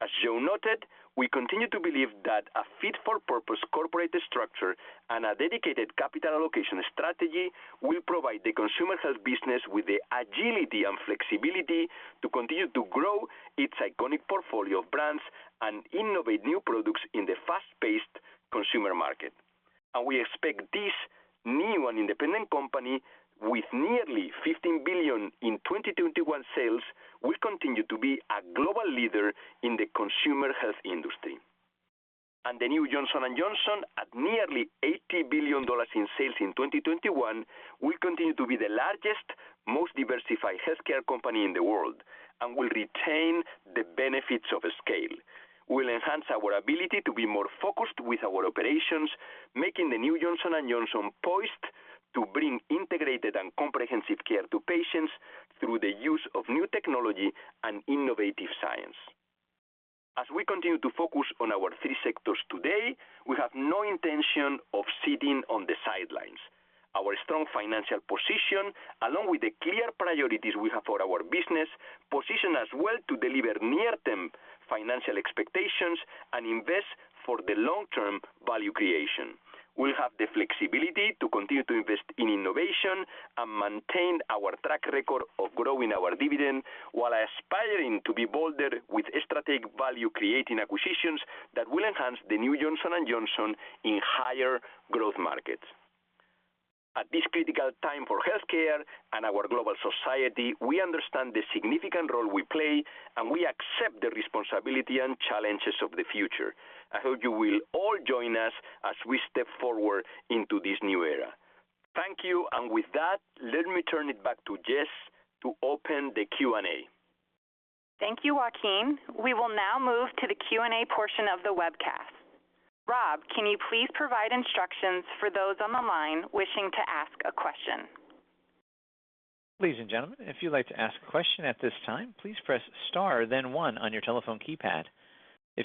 As Joe noted, we continue to believe that a fit-for-purpose corporate structure and a dedicated capital allocation strategy will provide the consumer health business with the agility and flexibility to continue to grow its iconic portfolio of brands and innovate new products in the fast-paced consumer market. We expect this new and independent company with nearly $15 billion in 2021 sales will continue to be a global leader in the consumer health industry. The new Johnson & Johnson at nearly $80 billion in sales in 2021 will continue to be the largest, most diversified healthcare company in the world and will retain the benefits of scale, will enhance our ability to be more focused with our operations, making the new Johnson & Johnson poised to bring integrated and comprehensive care to patients through the use of new technology and innovative science. As we continue to focus on our three sectors today, we have no intention of sitting on the sidelines. Our strong financial position, along with the clear priorities we have for our business, position us well to deliver near-term financial expectations and invest for the long-term value creation. We'll have the flexibility to continue to invest in innovation and maintain our track record of growing our dividend while aspiring to be bolder with strategic value-creating acquisitions that will enhance the new Johnson & Johnson in higher growth markets. At this critical time for healthcare and our global society, we understand the significant role we play, and we accept the responsibility and challenges of the future. I hope you will all join us as we step forward into this new era. Thank you. With that, let me turn it back to Jess to open the Q&A. Thank you, Joaquín. We will now move to the Q&A portion of the webcast. Rob, can you please provide instructions for those on the line wishing to ask a question?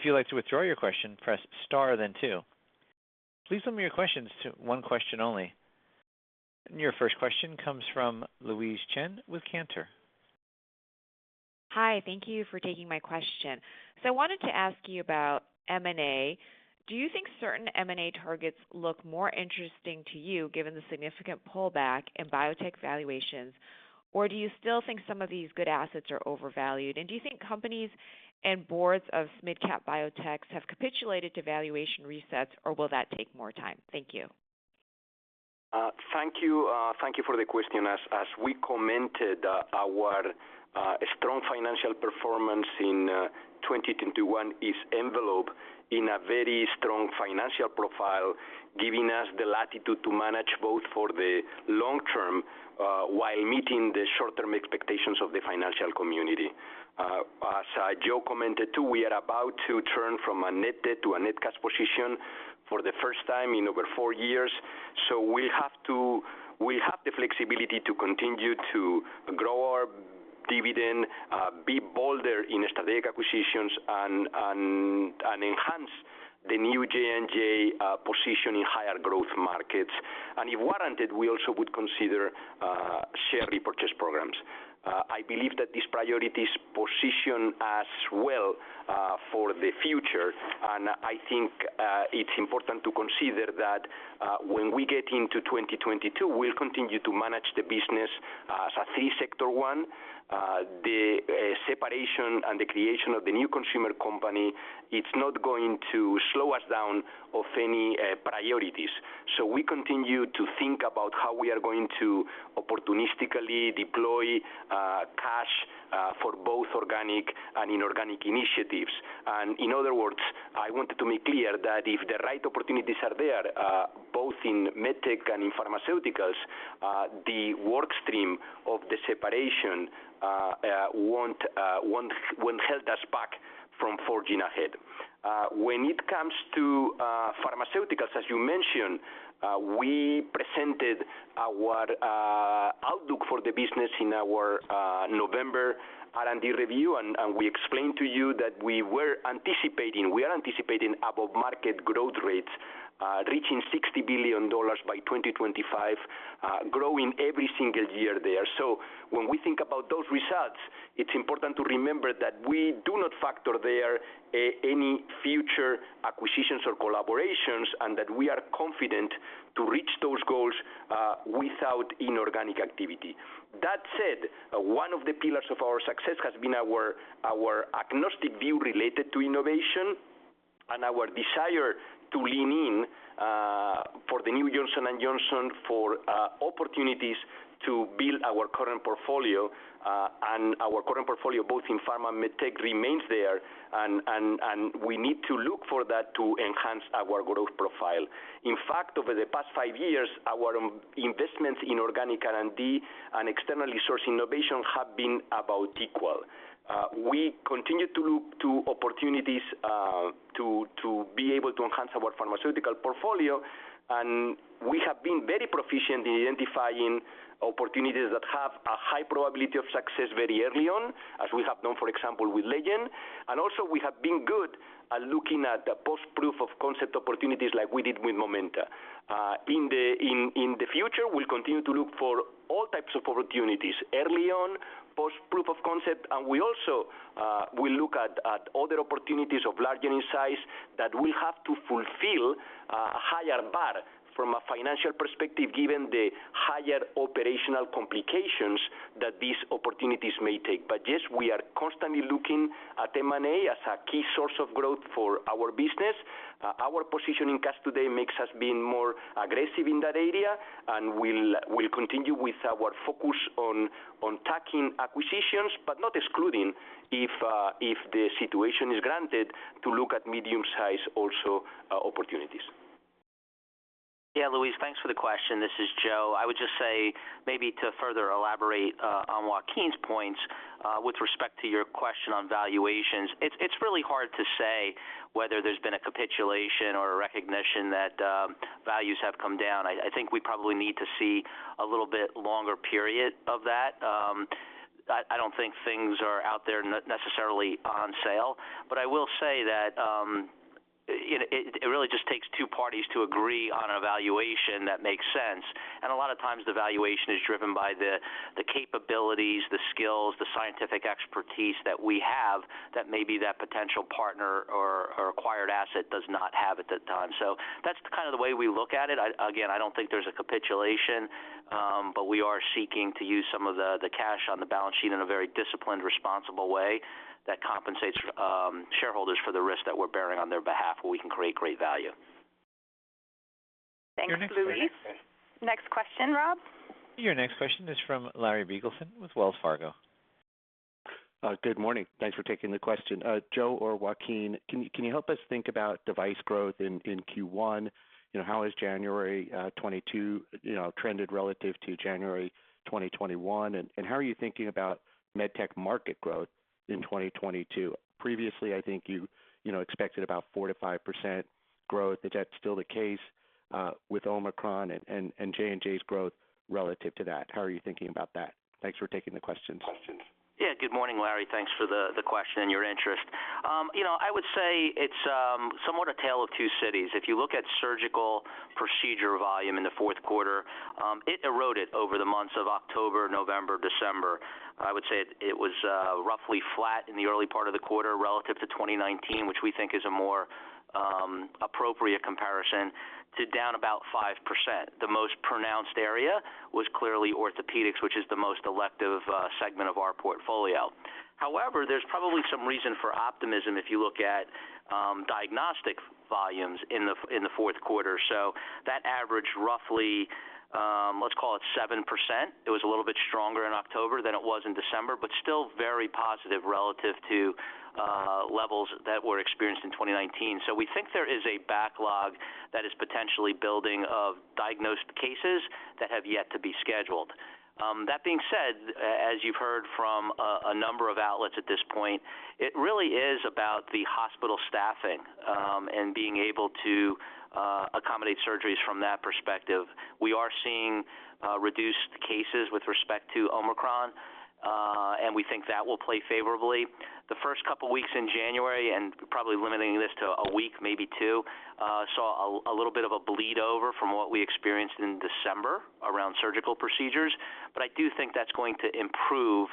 Your first question comes from Louise Chen with Cantor. Hi, thank you for taking my question. I wanted to ask you about M&A. Do you think certain M&A targets look more interesting to you given the significant pullback in biotech valuations? Or do you still think some of these good assets are overvalued? Do you think companies and boards of mid-cap biotechs have capitulated to valuation resets, or will that take more time? Thank you. Thank you. Thank you for the question. As we commented, our strong financial performance in 2021 is enveloped in a very strong financial profile, giving us the latitude to manage both for the long term while meeting the short-term expectations of the financial community. As Joe commented too, we are about to turn from a net debt to a net cash position for the first time in over four years. We have the flexibility to continue to grow our dividend, be bolder in strategic acquisitions and enhance the new J&J position in higher growth markets. If warranted, we also would consider share repurchase programs. I believe that these priorities position us well for the future. I think it's important to consider that when we get into 2022, we'll continue to manage the business as a three-sector one. The separation and the creation of the new consumer company, it's not going to slow us down of any priorities. We continue to think about how we are going to opportunistically deploy cash for both organic and inorganic initiatives. In other words, I wanted to make clear that if the right opportunities are there both in MedTech and in pharmaceuticals, the work stream of the separation won't hold us back from forging ahead. When it comes to pharmaceuticals, as you mentioned, we presented our outlook for the business in our November R&D review, and we explained to you that we are anticipating above market growth rates, reaching $60 billion by 2025, growing every single year there. When we think about those results, it's important to remember that we do not factor any future acquisitions or collaborations, and that we are confident to reach those goals without inorganic activity. That said, one of the pillars of our success has been our agnostic view related to innovation and our desire to lean in for the new Johnson & Johnson for opportunities to build our current portfolio. Our current portfolio, both in pharma and MedTech, remains there. We need to look for that to enhance our growth profile. In fact, over the past five years, our investments in organic R&D and externally sourced innovation have been about equal. We continue to look to opportunities to be able to enhance our pharmaceutical portfolio, and we have been very proficient in identifying opportunities that have a high probability of success very early on, as we have done, for example, with Legend. We have been good at looking at post-proof of concept opportunities like we did with Momenta. In the future, we'll continue to look for all types of opportunities early concept. We also will look at other opportunities of larger in size that will have to fulfill a higher bar from a financial perspective, given the higher operational complications that these opportunities may take. Yes, we are constantly looking at M&A as a key source of growth for our business. Our cash position today makes us more aggressive in that area, and we'll continue with our focus on tack-on acquisitions, but not excluding if the situation warrants looking at medium-size opportunities also. Yeah, Louise, thanks for the question. This is Joe. I would just say maybe to further elaborate on Joaquín's points with respect to your question on valuations. It's really hard to say whether there's been a capitulation or a recognition that values have come down. I think we probably need to see a little bit longer period of that. I don't think things are out there necessarily on sale. I will say that, you know, it really just takes two parties to agree on a valuation that makes sense. A lot of times the valuation is driven by the capabilities, the skills, the scientific expertise that we have that maybe that potential partner or acquired asset does not have at the time. That's kind of the way we look at it. Again, I don't think there's a capitulation, but we are seeking to use some of the cash on the balance sheet in a very disciplined, responsible way that compensates shareholders for the risk that we're bearing on their behalf, where we can create great value. Thanks, Louise. Next question, Rob. Your next question is from Larry Biegelsen with Wells Fargo. Good morning. Thanks for taking the question. Joe or Joaquín, can you help us think about device growth in Q1? You know, how has January 2022 trended relative to January 2021? How are you thinking about MedTech market growth in 2022? Previously, I think you know expected about 4%-5% growth. Is that still the case with Omicron and J&J's growth relative to that? How are you thinking about that? Thanks for taking the questions. Yeah. Good morning, Larry. Thanks for the question and your interest. You know, I would say it's somewhat A Tale of Two Cities. If you look at surgical procedure volume in the Q4, it eroded over the months of October, November, December. I would say it was roughly flat in the early part of the quarter relative to 2019, which we think is a more appropriate comparison to down about 5%. The most pronounced area was clearly orthopedics, which is the most elective segment of our portfolio. However, there's probably some reason for optimism if you look at diagnostic volumes in the Q4. That averaged roughly, let's call it 7%. It was a little bit stronger in October than it was in December, but still very positive relative to levels that were experienced in 2019. We think there is a backlog that is potentially building of diagnosed cases that have yet to be scheduled. That being said, as you've heard from a number of outlets at this point, it really is about the hospital staffing and being able to accommodate surgeries from that perspective. We are seeing reduced cases with respect to Omicron, and we think that will play favorably. The first couple weeks in January, and probably limiting this to a week, maybe two, saw a little bit of a bleed over from what we experienced in December around surgical procedures. I do think that's going to improve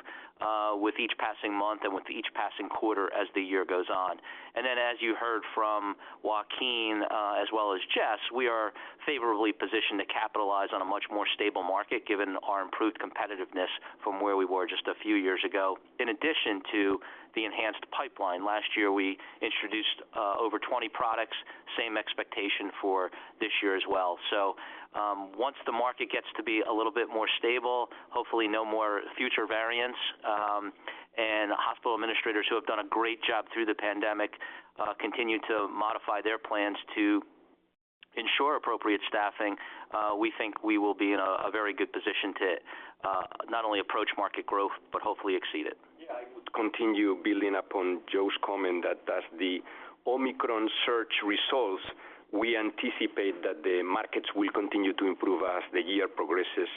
with each passing month and with each passing quarter as the year goes on. Then as you heard from Joaquín, as well as Jess, we are favorably positioned to capitalize on a much more stable market given our improved competitiveness from where we were just a few years ago. In addition to the enhanced pipeline, last year we introduced over 20 products. Same expectation for this year as well. Once the market gets to be a little bit more stable, hopefully no more future variants, and hospital administrators who have done a great job through the pandemic continue to modify their plans to ensure appropriate staffing, we think we will be in a very good position to not only approach market growth, but hopefully exceed it. Yeah, I would continue building upon Joe's comment that as the Omicron surge resolves, we anticipate that the markets will continue to improve as the year progresses.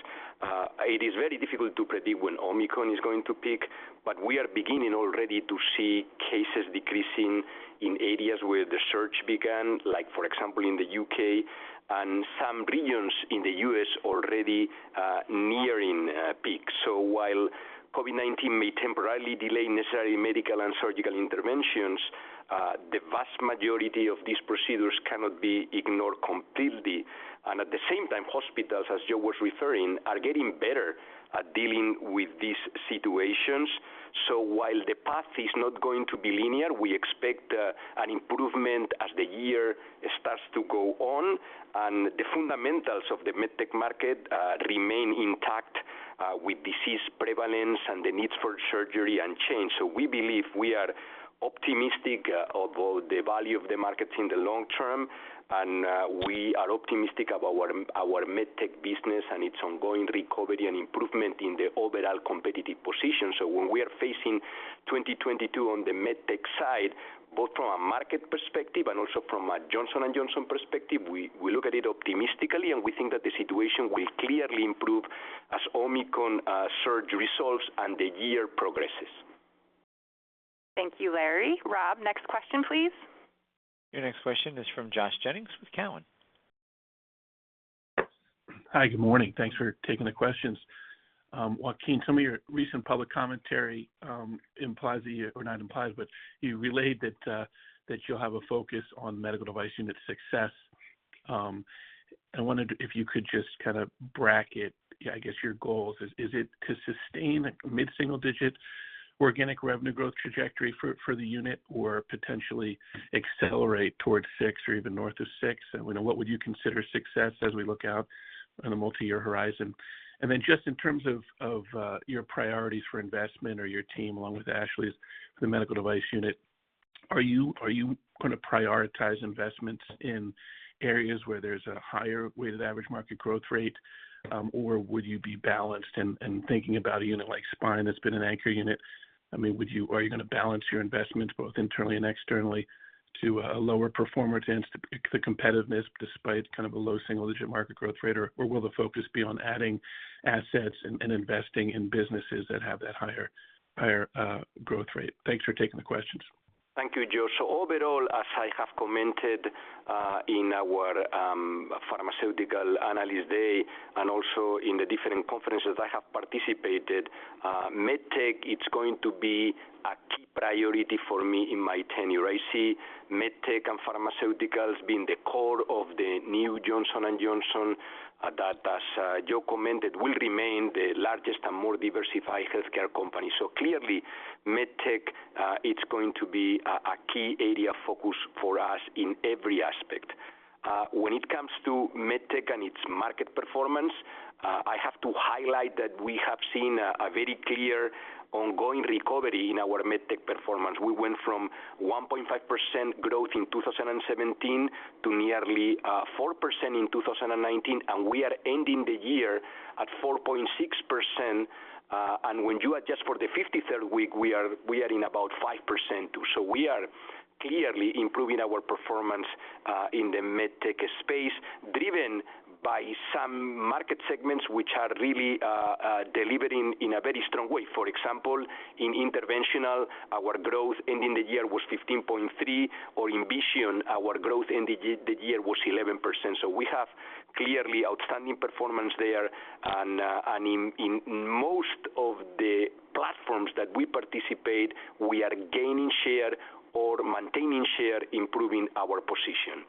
It is very difficult to predict when Omicron is going to peak, but we are beginning already to see cases decreasing in areas where the surge began, like for example, in the U.K. and some regions in the U.S. already nearing a peak. While COVID-19 may temporarily delay necessary medical and surgical interventions, the vast majority of these procedures cannot be ignored completely. At the same time, hospitals, as Joe was referring, are getting better at dealing with these situations. While the path is not going to be linear, we expect an improvement as the year starts to go on and the fundamentals of the med tech market remain intact with disease prevalence and the needs for surgery unchanged. We believe we are optimistic about the value of the markets in the long term, and we are optimistic about our med tech business and its ongoing recovery and improvement in the overall competitive position. When we are facing 2022 on the med tech side, both from a market perspective and also from a Johnson & Johnson perspective, we look at it optimistically, and we think that the situation will clearly improve as Omicron surge resolves and the year progresses. Thank you, Larry. Rob, next question, please. Your next question is from Josh Jennings with Cowen. Hi, good morning. Thanks for taking the questions. Joaquín, some of your recent public commentary implies that you relayed that you'll have a focus on medical device unit success. I wondered if you could just kind of bracket your goals. Is it to sustain a mid-single digit organic revenue growth trajectory for the unit or potentially accelerate towards 6 or even north of 6? What would you consider success as we look out on a multi-year horizon? Just in terms of your priorities for investment or your team, along with Ashley's for the Medical Devices unit, are you gonna prioritize investments in areas where there's a higher weighted average market growth rate, or would you be balanced and thinking about a unit like Spine that's been an anchor unit? I mean, are you gonna balance your investments both internally and externally to help a lower performer tend to pick up the competitiveness despite kind of a low single-digit market growth rate? Or will the focus be on adding assets and investing in businesses that have that higher growth rate? Thanks for taking the questions. Thank you, Josh. Overall, as I have commented in our pharmaceutical analyst day and also in the different conferences I have participated, MedTech it's going to be a key priority for me in my tenure. I see MedTech and pharmaceuticals being the core of the new Johnson & Johnson that, as Joe commented, will remain the largest and more diversified healthcare company. Clearly, MedTech it's going to be a key area of focus for us in every aspect. When it comes to MedTech and its market performance, I have to highlight that we have seen a very clear ongoing recovery in our MedTech performance. We went from 1.5% growth in 2017 to nearly 4% in 2019, and we are ending the year at 4.6%. When you adjust for the 53rd week, we are in about 5%. We are clearly improving our performance in the med tech space, driven by some market segments which are really delivering in a very strong way. For example, in interventional, our growth ending the year was 15.3%, or in vision, our growth in the year was 11%. We have clearly outstanding performance there. In most of the platforms that we participate, we are gaining share or maintaining share, improving our position.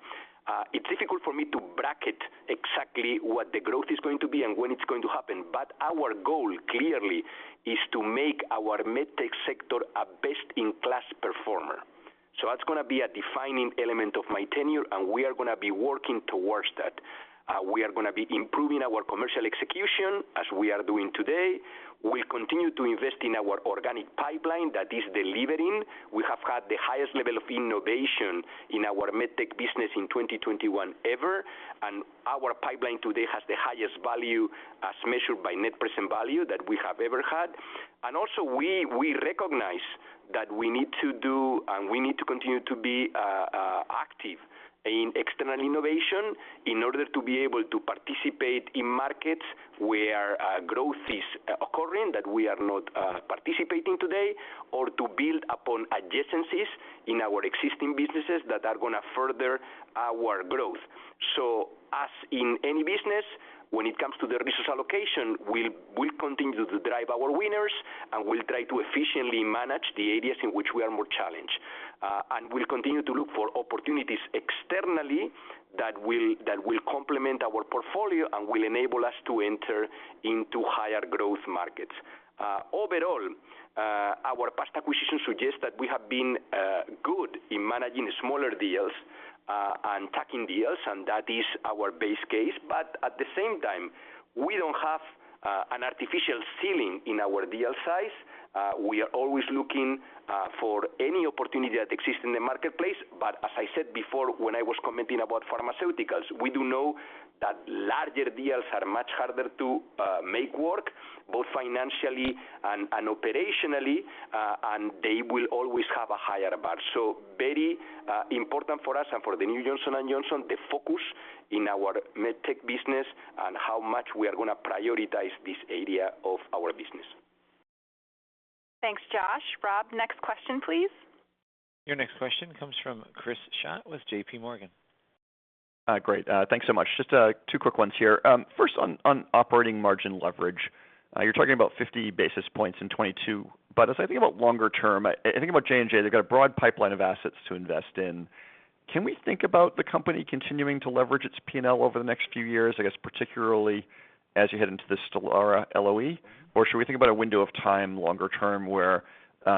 It's difficult for me to bracket exactly what the growth is going to be and when it's going to happen, but our goal clearly is to make our MedTech sector a best-in-class performer. That's gonna be a defining element of my tenure, and we are gonna be working towards that. We are gonna be improving our commercial execution as we are doing today. We'll continue to invest in our organic pipeline that is delivering. We have had the highest level of innovation in our MedTech business in 2021 ever, and our pipeline today has the highest value, as measured by net present value, that we have ever had. Also we recognize that we need to do and we need to continue to be active in external innovation in order to be able to participate in markets where growth is occurring that we are not participating today or to build upon adjacencies in our existing businesses that are gonna further our growth. As in any business, when it comes to the resource allocation, we'll continue to drive our winners, and we'll try to efficiently manage the areas in which we are more challenged. We'll continue to look for opportunities externally that will complement our portfolio and will enable us to enter into higher growth markets. Overall, our past acquisitions suggest that we have been good in managing smaller deals and tuck-in deals, and that is our base case. At the same time, we don't have an artificial ceiling in our deal size. We are always looking for any opportunity that exists in the marketplace. As I said before when I was commenting about pharmaceuticals, we do know that larger deals are much harder to make work, both financially and operationally, and they will always have a higher bar. Very important for us and for the new Johnson & Johnson, the focus in our med tech business and how much we are gonna prioritize this area of our business. Thanks, Josh. Rob, next question, please. Your next question comes from Chris Schott with JPMorgan. Great. Thanks so much. Just two quick ones here. First on operating margin leverage. You're talking about 50 basis points in 2022, but as I think about longer term, I think about J&J, they've got a broad pipeline of assets to invest in. Can we think about the company continuing to leverage its P&L over the next few years, I guess, particularly as you head into this Stelara LOE? Or should we think about a window of time longer term where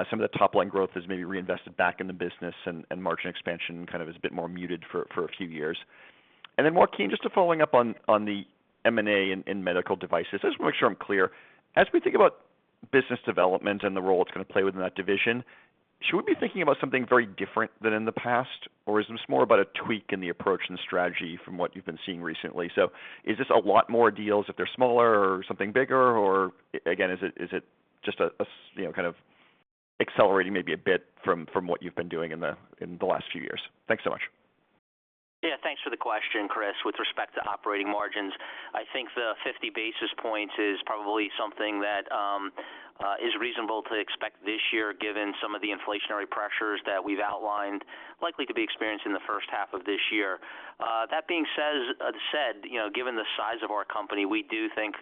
some of the top-line growth is maybe reinvested back in the business and margin expansion kind of is a bit more muted for a few years? Joaquín, just following up on the M&A in medical devices. I just wanna make sure I'm clear. As we think about business development and the role it's gonna play within that division, should we be thinking about something very different than in the past, or is this more about a tweak in the approach and strategy from what you've been seeing recently? Is this a lot more deals if they're smaller or something bigger? Again, is it just you know, kind of accelerating maybe a bit from what you've been doing in the last few years? Thanks so much. Yeah, thanks for the question, Chris. With respect to operating margins, I think the 50 basis points is probably something that is reasonable to expect this year, given some of the inflationary pressures that we've outlined likely to be experienced in the H1 of this year. That being said, you know, given the size of our company, we do think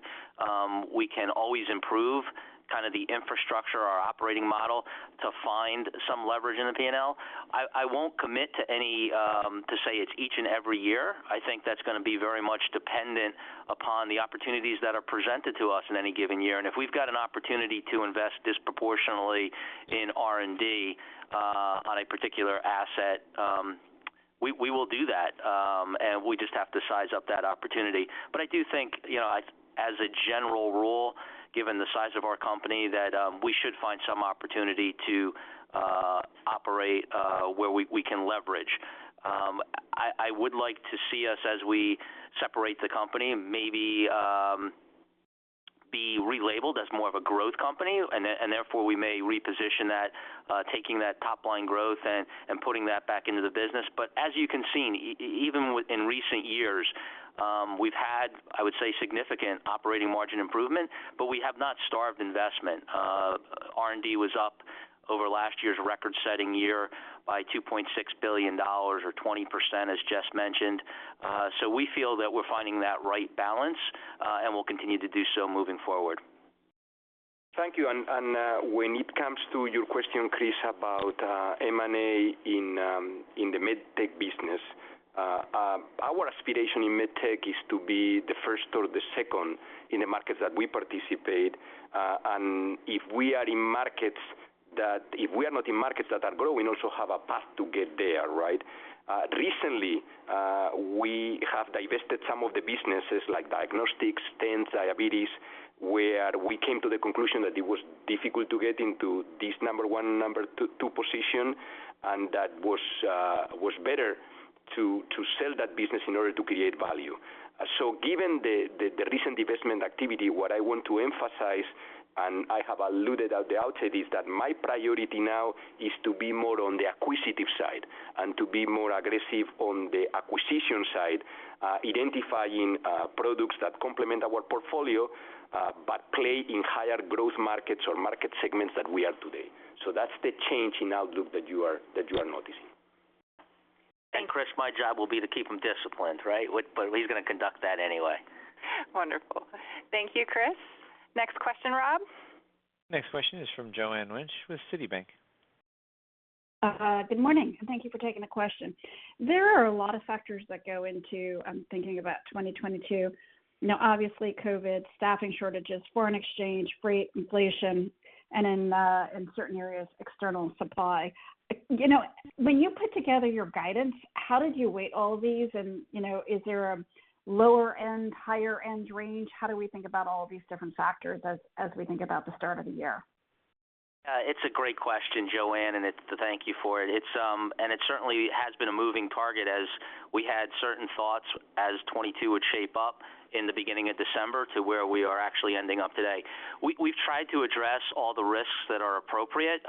we can always improve kind of the infrastructure, our operating model to find some leverage in the P&L. I won't commit to saying it's each and every year. I think that's gonna be very much dependent upon the opportunities that are presented to us in any given year. If we've got an opportunity to invest disproportionately in R&D on a particular asset, we will do that, and we just have to size up that opportunity. I do think, you know, as a general rule, given the size of our company, that we should find some opportunity to operate where we can leverage. I would like to see us as we separate the company, maybe be relabeled as more of a growth company and therefore we may reposition that, taking that top line growth and putting that back into the business. As you can see, even within recent years, we've had, I would say, significant operating margin improvement, but we have not starved investment. R&D was up over last year's record-setting year by $2.6 billion or 20% as Jess mentioned. We feel that we're finding that right balance, and we'll continue to do so moving forward. Thank you. When it comes to your question, Chris, about M&A in the MedTech business, our aspiration in MedTech is to be the first or the second in the markets that we participate, if we are not in markets that are growing, also have a path to get there, right? Recently, we have divested some of the businesses like diagnostics, stents, diabetes, where we came to the conclusion that it was difficult to get into this number one, number two position, and that was better to sell that business in order to create value. Given the recent divestment activity, what I want to emphasize, and I have alluded at the outset, is that my priority now is to be more on the acquisitive side and to be more aggressive on the acquisition side, identifying products that complement our portfolio, but play in higher growth markets or market segments that we are today. That's the change in outlook that you are noticing. Chris, my job will be to keep him disciplined, right? He's gonna conduct that anyway. Wonderful. Thank you, Chris. Next question, Rob. Next question is from Joanne Wuensch with Citibank. Good morning, and thank you for taking the question. There are a lot of factors that go into thinking about 2022. You know, obviously COVID, staffing shortages, foreign exchange, freight, inflation, and in certain areas, external supply. You know, when you put together your guidance, how did you weigh all of these? You know, is there a lower end, higher end range? How do we think about all of these different factors as we think about the start of the year? It's a great question, Joanne. Thank you for it. It certainly has been a moving target as we had certain thoughts as 2022 would shape up in the beginning of December to where we are actually ending up today. We've tried to address all the risks that are appropriate,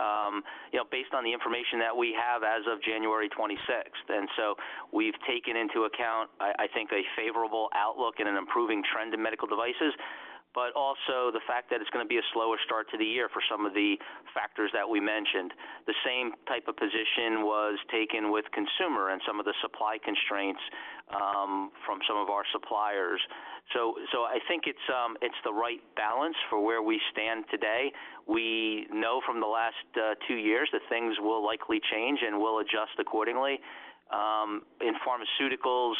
you know, based on the information that we have as of 26 January. We've taken into account, I think, a favorable outlook and an improving trend in medical devices, but also the fact that it's gonna be a slower start to the year for some of the factors that we mentioned. The same type of position was taken with consumer and some of the supply constraints from some of our suppliers. I think it's the right balance for where we stand today. We know from the last two years that things will likely change, and we'll adjust accordingly. In pharmaceuticals,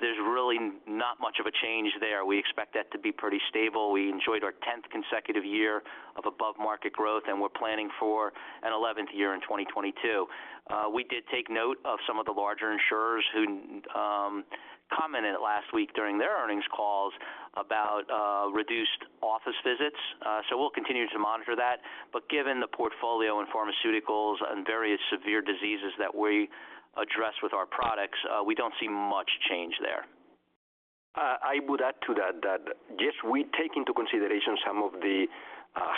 there's really not much of a change there. We expect that to be pretty stable. We enjoyed our tenth consecutive year of above-market growth, and we're planning for an eleventh year in 2022. We did take note of some of the larger insurers who commented last week during their earnings calls about reduced office visits. We'll continue to monitor that. Given the portfolio in pharmaceuticals and various severe diseases that we address with our products, we don't see much change there. I would add to that, yes, we take into consideration some of the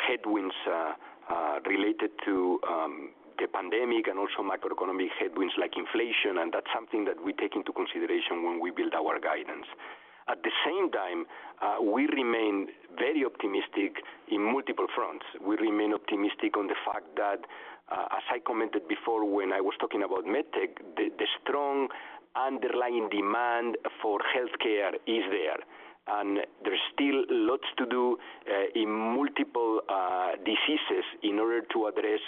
headwinds related to the pandemic and also macroeconomic headwinds like inflation, and that's something that we take into consideration when we build our guidance. At the same time, we remain very optimistic on multiple fronts. We remain optimistic on the fact that, as I commented before when I was talking about MedTech, the strong underlying demand for healthcare is there. There's still lots to do in multiple diseases in order to address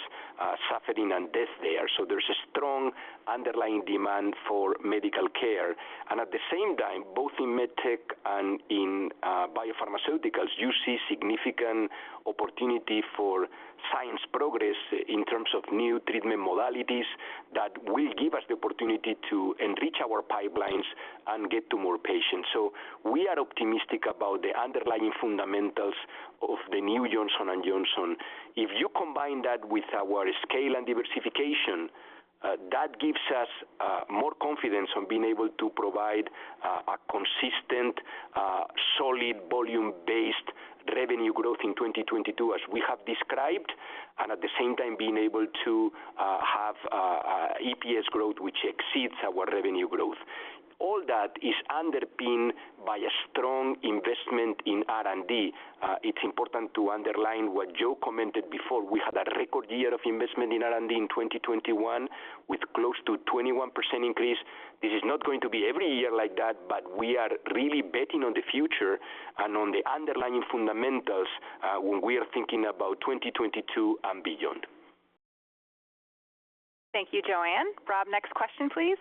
suffering and death there. There's a strong underlying demand for medical care. At the same time, both in MedTech and in biopharmaceuticals, you see significant opportunity for science progress in terms of new treatment modalities that will give us the opportunity to enrich our pipelines and get to more patients. We are optimistic about the underlying fundamentals of the new Johnson & Johnson. If you combine that with our scale and diversification, that gives us more confidence on being able to provide only volume-based revenue growth in 2022 as we have described, and at the same time being able to have EPS growth which exceeds our revenue growth. All that is underpinned by a strong investment in R&D. It's important to underline what Joe commented before. We had a record year of investment in R&D in 2021 with close to 21% increase. This is not going to be every year like that, but we are really betting on the future and on the underlying fundamentals, when we are thinking about 2022 and beyond. Thank you, Joanne. Rob, next question, please.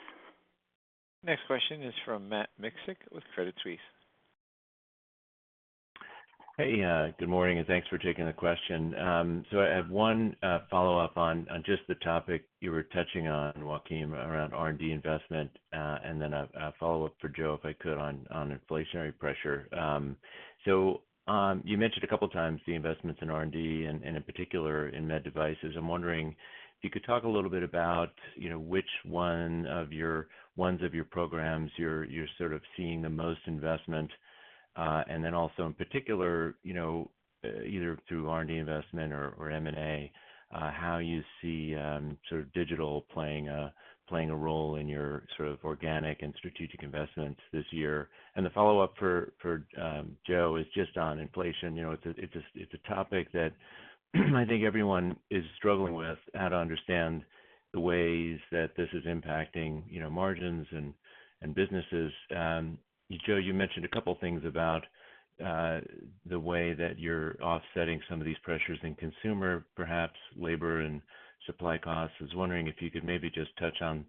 Next question is from Matt Miksic with Credit Suisse. Hey, good morning, and thanks for taking the question. I have one follow-up on just the topic you were touching on, Joaquín, around R&D investment, and then a follow-up for Joe, if I could, on inflationary pressure. You mentioned a couple times the investments in R&D and in particular in med devices. I'm wondering if you could talk a little bit about, you know, which ones of your programs you're seeing the most investment. And then also in particular, you know, either through R&D investment or M&A, how you see sort of digital playing a role in your sort of organic and strategic investments this year. The follow-up for Joe is just on inflation. You know, it's a topic that I think everyone is struggling with, how to understand the ways that this is impacting, you know, margins and businesses. Joe, you mentioned a couple things about the way that you're offsetting some of these pressures in consumer, perhaps labor and supply costs. I was wondering if you could maybe just touch on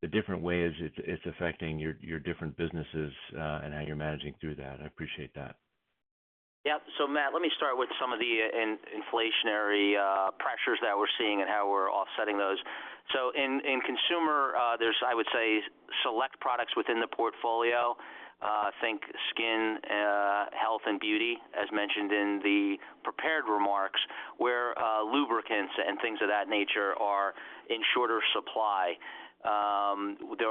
the different ways it's affecting your different businesses, and how you're managing through that. I appreciate that. Matt, let me start with some of the inflationary pressures that we're seeing and how we're offsetting those. In consumer, there's, I would say, select products within the portfolio, think skin health and beauty as mentioned in the prepared remarks, where lubricants and things of that nature are in shorter supply. There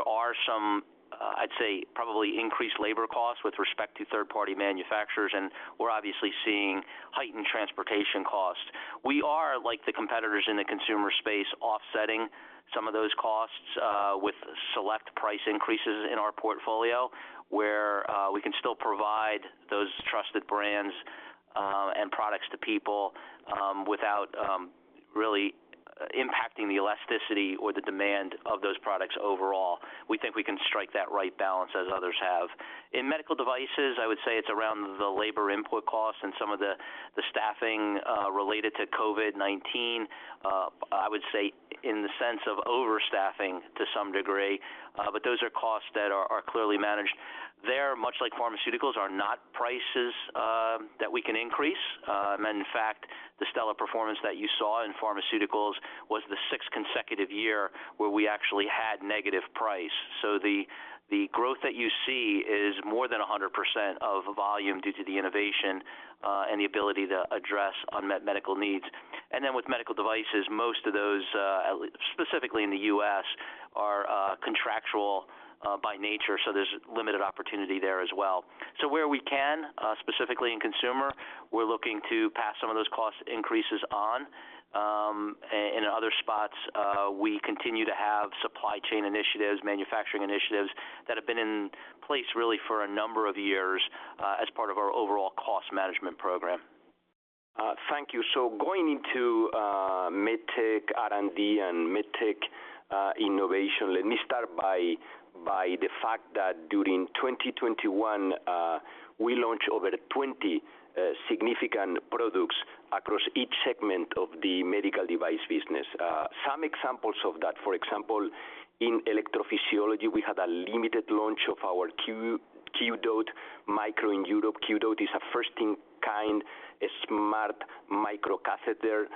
are some, I'd say probably increased labor costs with respect to third party manufacturers, and we're obviously seeing heightened transportation costs. We are, like the competitors in the consumer space, offsetting some of those costs with select price increases in our portfolio where we can still provide those trusted brands and products to people without really impacting the elasticity or the demand of those products overall. We think we can strike that right balance as others have. In medical devices, I would say it's around the labor input costs and some of the staffing related to COVID-19. I would say in the sense of overstaffing to some degree. Those are costs that are clearly managed. They're much like pharmaceuticals are not prices that we can increase. In fact, the stellar performance that you saw in pharmaceuticals was the sixth consecutive year where we actually had negative price. The growth that you see is more than 100% of volume due to the innovation and the ability to address unmet medical needs. Then with medical devices, most of those specifically in the U.S. are contractual by nature, so there's limited opportunity there as well. Where we can, specifically in consumer, we're looking to pass some of those cost increases on. In other spots, we continue to have supply chain initiatives, manufacturing initiatives that have been in place really for a number of years, as part of our overall cost management program. Thank you. Going into MedTech R&D and MedTech innovation, let me start by the fact that during 2021, we launched over 20 significant products across each segment of the medical device business. Some examples of that, for example, in electrophysiology, we had a limited launch of our QDOT MICRO in Europe. QDOT is a first in kind, a smart microcatheter,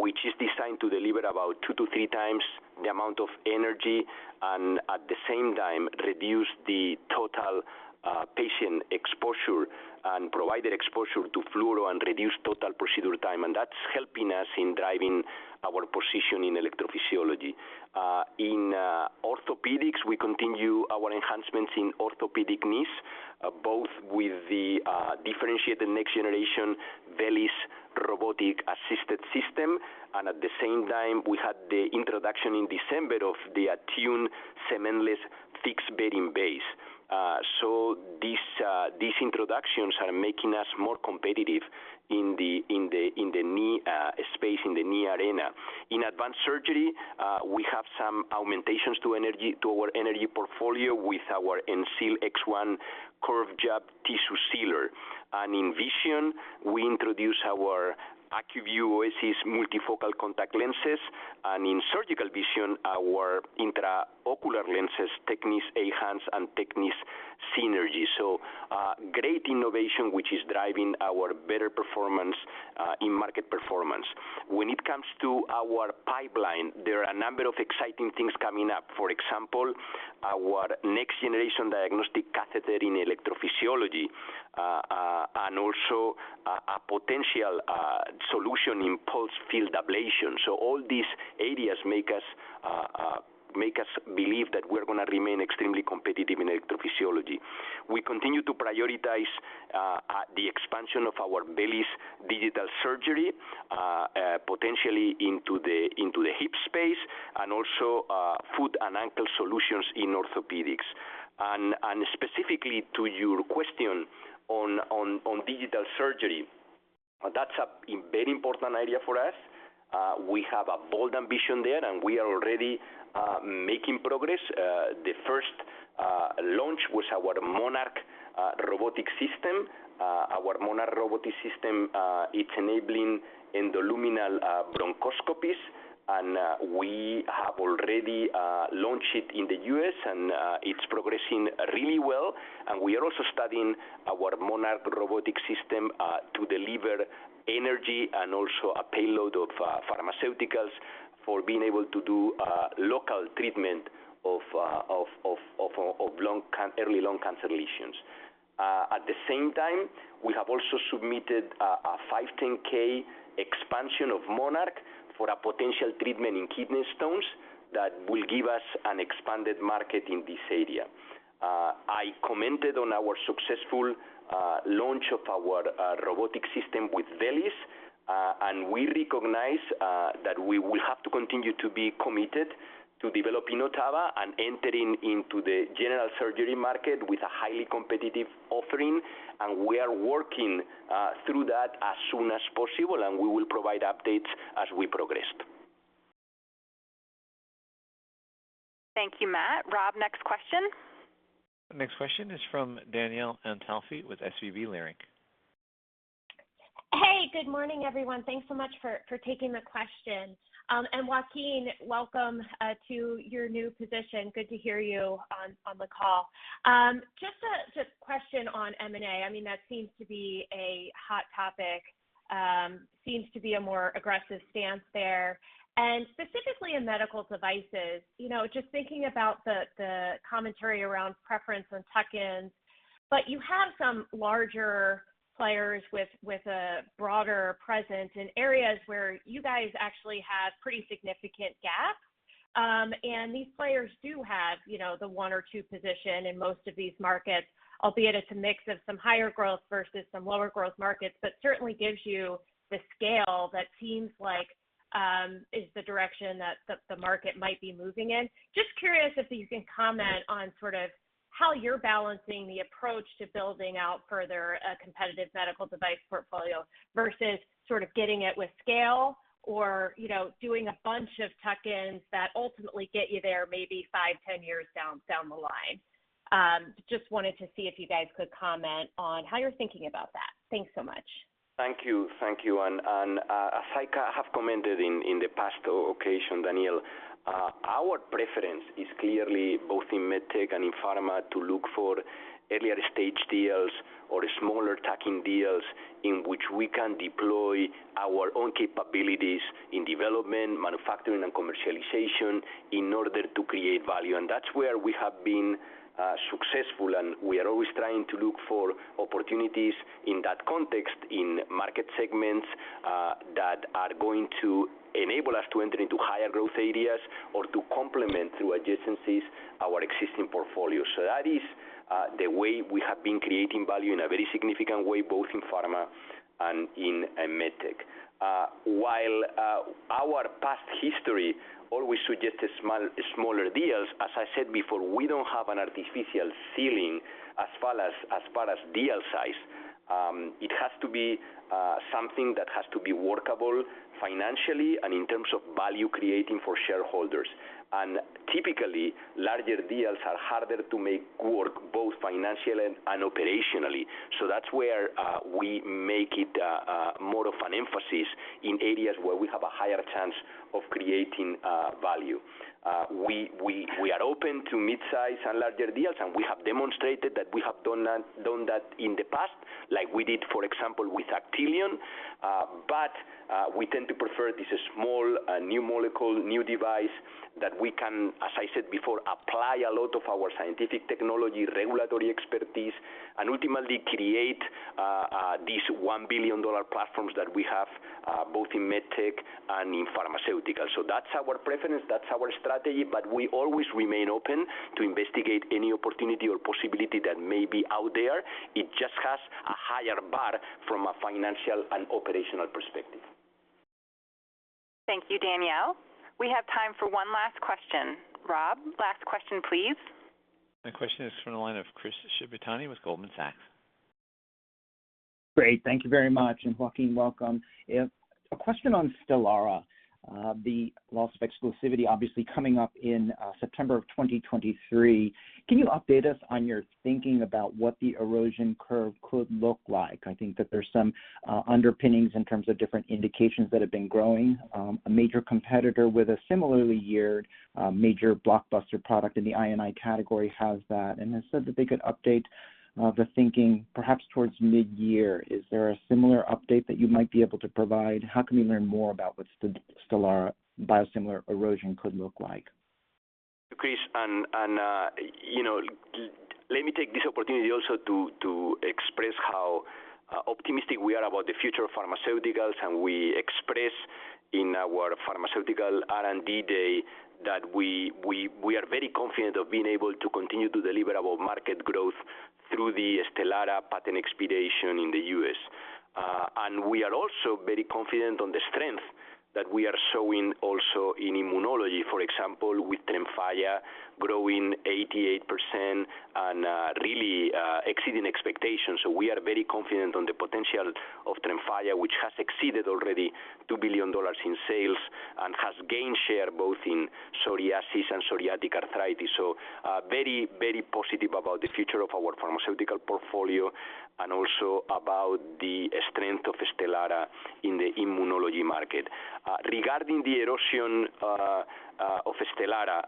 which is designed to deliver about two to three times the amount of energy and at the same time reduce the total patient exposure to fluoro and reduce total procedure time. That's helping us in driving our position in electrophysiology. In orthopedics, we continue our enhancements in orthopedic knees, both with the differentiated next generation VELYS robotic-assisted system. At the same time, we had the introduction in December of the ATTUNE Cementless Fixed Bearing Knee. These introductions are making us more competitive in the knee space, in the knee arena. In advanced surgery, we have some augmentations to our energy portfolio with our ENSEAL X1 Curved Jaw tissue sealer. In vision, we introduce our ACUVUE OASYS multifocal contact lenses. In surgical vision, our intraocular lenses, TECNIS Eyhance and TECNIS Synergy. Great innovation, which is driving our better performance in market performance. When it comes to our pipeline, there are a number of exciting things coming up. For example, our next generation diagnostic catheter in electrophysiology, and also a potential solution in pulsed field ablation. All these areas make us believe that we're gonna remain extremely competitive in electrophysiology. We continue to prioritize the expansion of our VELYS digital surgery potentially into the hip space and also foot and ankle solutions in orthopedics. Specifically to your question on digital surgery, that's a very important area for us. We have a bold ambition there, and we are already making progress. The first launch was our Monarch robotic system. Our Monarch robotic system, it's enabling endoluminal bronchoscopies. We have already launched it in the U.S., and it's progressing really well. We are also studying our Monarch robotic system to deliver energy and also a payload of pharmaceuticals for being able to do local treatment of early lung cancer lesions. At the same time, we have also submitted a 510(k) expansion of Monarch for a potential treatment in kidney stones that will give us an expanded market in this area. I commented on our successful launch of our robotic system with VELYS, and we recognize that we will have to continue to be committed to developing OTTAVA and entering into the general surgery market with a highly competitive offering. We are working through that as soon as possible, and we will provide updates as we progress. Thank you, Matt. Rob, next question. Next question is from Danielle Antalffy with SVB Leerink. Hey, good morning, everyone. Thanks so much for taking the questions. Joaquín, welcome to your new position. Good to hear you on the call. Just a question on M&A. I mean, that seems to be a hot topic, seems to be a more aggressive stance there. Specifically in Medical Devices, you know, just thinking about the commentary around preference and tuck-ins, but you have some larger players with a broader presence in areas where you guys actually have pretty significant gaps. These players do have, you know, the one or two position in most of these markets, albeit it's a mix of some higher growth versus some lower growth markets. Certainly gives you the scale that seems like is the direction that the market might be moving in. Just curious if you can comment on sort of how you're balancing the approach to building out further a competitive medical device portfolio versus sort of getting it with scale or, you know, doing a bunch of tuck-ins that ultimately get you there maybe five, ten years down the line? Just wanted to see if you guys could comment on how you're thinking about that. Thanks so much. Thank you. As I have commented in the past occasion, Danielle, our preference is clearly both in MedTech and in pharma to look for earlier-stage deals or smaller tuck-in deals in which we can deploy our own capabilities in development, manufacturing and commercialization in order to create value. That's where we have been successful, and we are always trying to look for opportunities in that context in market segments that are going to enable us to enter into higher growth areas or to complement through adjacencies our existing portfolio. That is the way we have been creating value in a very significant way, both in pharma and in MedTech. While our past history always suggests smaller deals, as I said before, we don't have an artificial ceiling as far as deal size. It has to be something that has to be workable financially and in terms of value creating for shareholders. Typically, larger deals are harder to make work both financially and operationally. That's where we make more of an emphasis in areas where we have a higher chance of creating value. We are open to mid-size and larger deals, and we have demonstrated that we have done that in the past, like we did, for example, with Actelion. We tend to prefer this small, new molecule, new device that we can, as I said before, apply a lot of our scientific technology, regulatory expertise, and ultimately create these $1 billion platforms that we have both in med tech and in pharmaceutical. That's our preference, that's our strategy. We always remain open to investigate any opportunity or possibility that may be out there. It just has a higher bar from a financial and operational perspective. Thank you, Danielle. We have time for one last question. Rob, last question, please. The question is from the line of Chris Shibutani with Goldman Sachs. Great. Thank you very much, and Joaquín, welcome. A question on STELARA, the loss of exclusivity obviously coming up in September of 2023. Can you update us on your thinking about what the erosion curve could look like? I think that there's some underpinnings in terms of different indications that have been growing. A major competitor with a similarly geared major blockbuster product in the I&I category has that and has said that they could update the thinking perhaps towards mid-year. Is there a similar update that you might be able to provide? How can we learn more about what STELARA biosimilar erosion could look like? Chris, you know, let me take this opportunity also to express how optimistic we are about the future of pharmaceuticals. We express in our pharmaceutical R&D day that we are very confident of being able to continue to deliver above market growth through the STELARA patent expiration in the U.S. We are also very confident on the strength that we are showing also in immunology. For example, with TREMFYA growing 88% and really exceeding expectations. We are very confident on the potential of TREMFYA, which has exceeded already $2 billion in sales and has gained share both in psoriasis and psoriatic arthritis. Very positive about the future of our pharmaceutical portfolio and also about the strength of STELARA in the immunology market. Regarding the erosion of Stelara,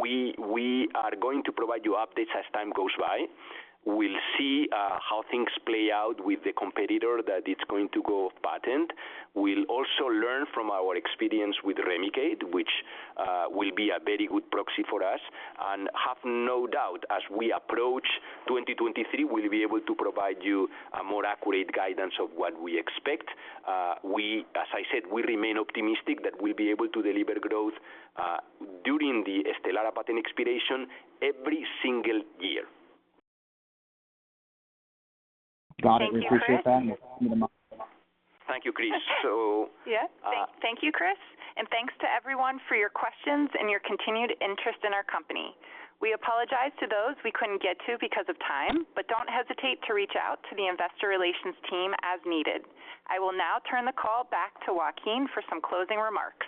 we are going to provide you updates as time goes by. We'll see how things play out with the competitor that it's going to go off patent. We'll also learn from our experience with Remicade, which will be a very good proxy for us. Have no doubt, as we approach 2023, we'll be able to provide you a more accurate guidance of what we expect. As I said, we remain optimistic that we'll be able to deliver growth during the Stelara patent expiration every single year. Got it. We appreciate that. Thank you, Chris. Yeah. Thank you, Chris. Thanks to everyone for your questions and your continued interest in our company. We apologize to those we couldn't get to because of time, but don't hesitate to reach out to the investor relations team as needed. I will now turn the call back to Joaquín for some closing remarks.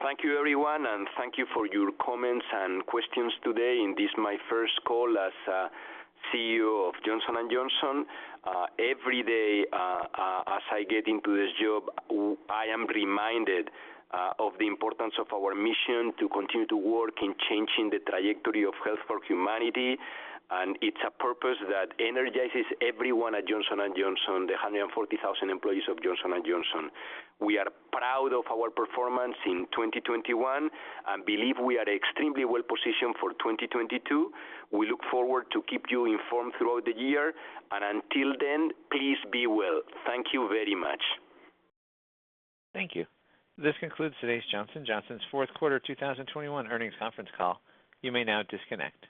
Thank you, everyone, and thank you for your comments and questions today in this, my first call as CEO of Johnson & Johnson. Every day, as I get into this job, I am reminded of the importance of our mission to continue to work in changing the trajectory of health for humanity. It's a purpose that energizes everyone at Johnson & Johnson, the 140,000 employees of Johnson & Johnson. We are proud of our performance in 2021 and believe we are extremely well positioned for 2022. We look forward to keep you informed throughout the year. Until then, please be well. Thank you very much. Thank you. This concludes today's Johnson & Johnson's Q4 2021 earnings conference call. You may now disconnect.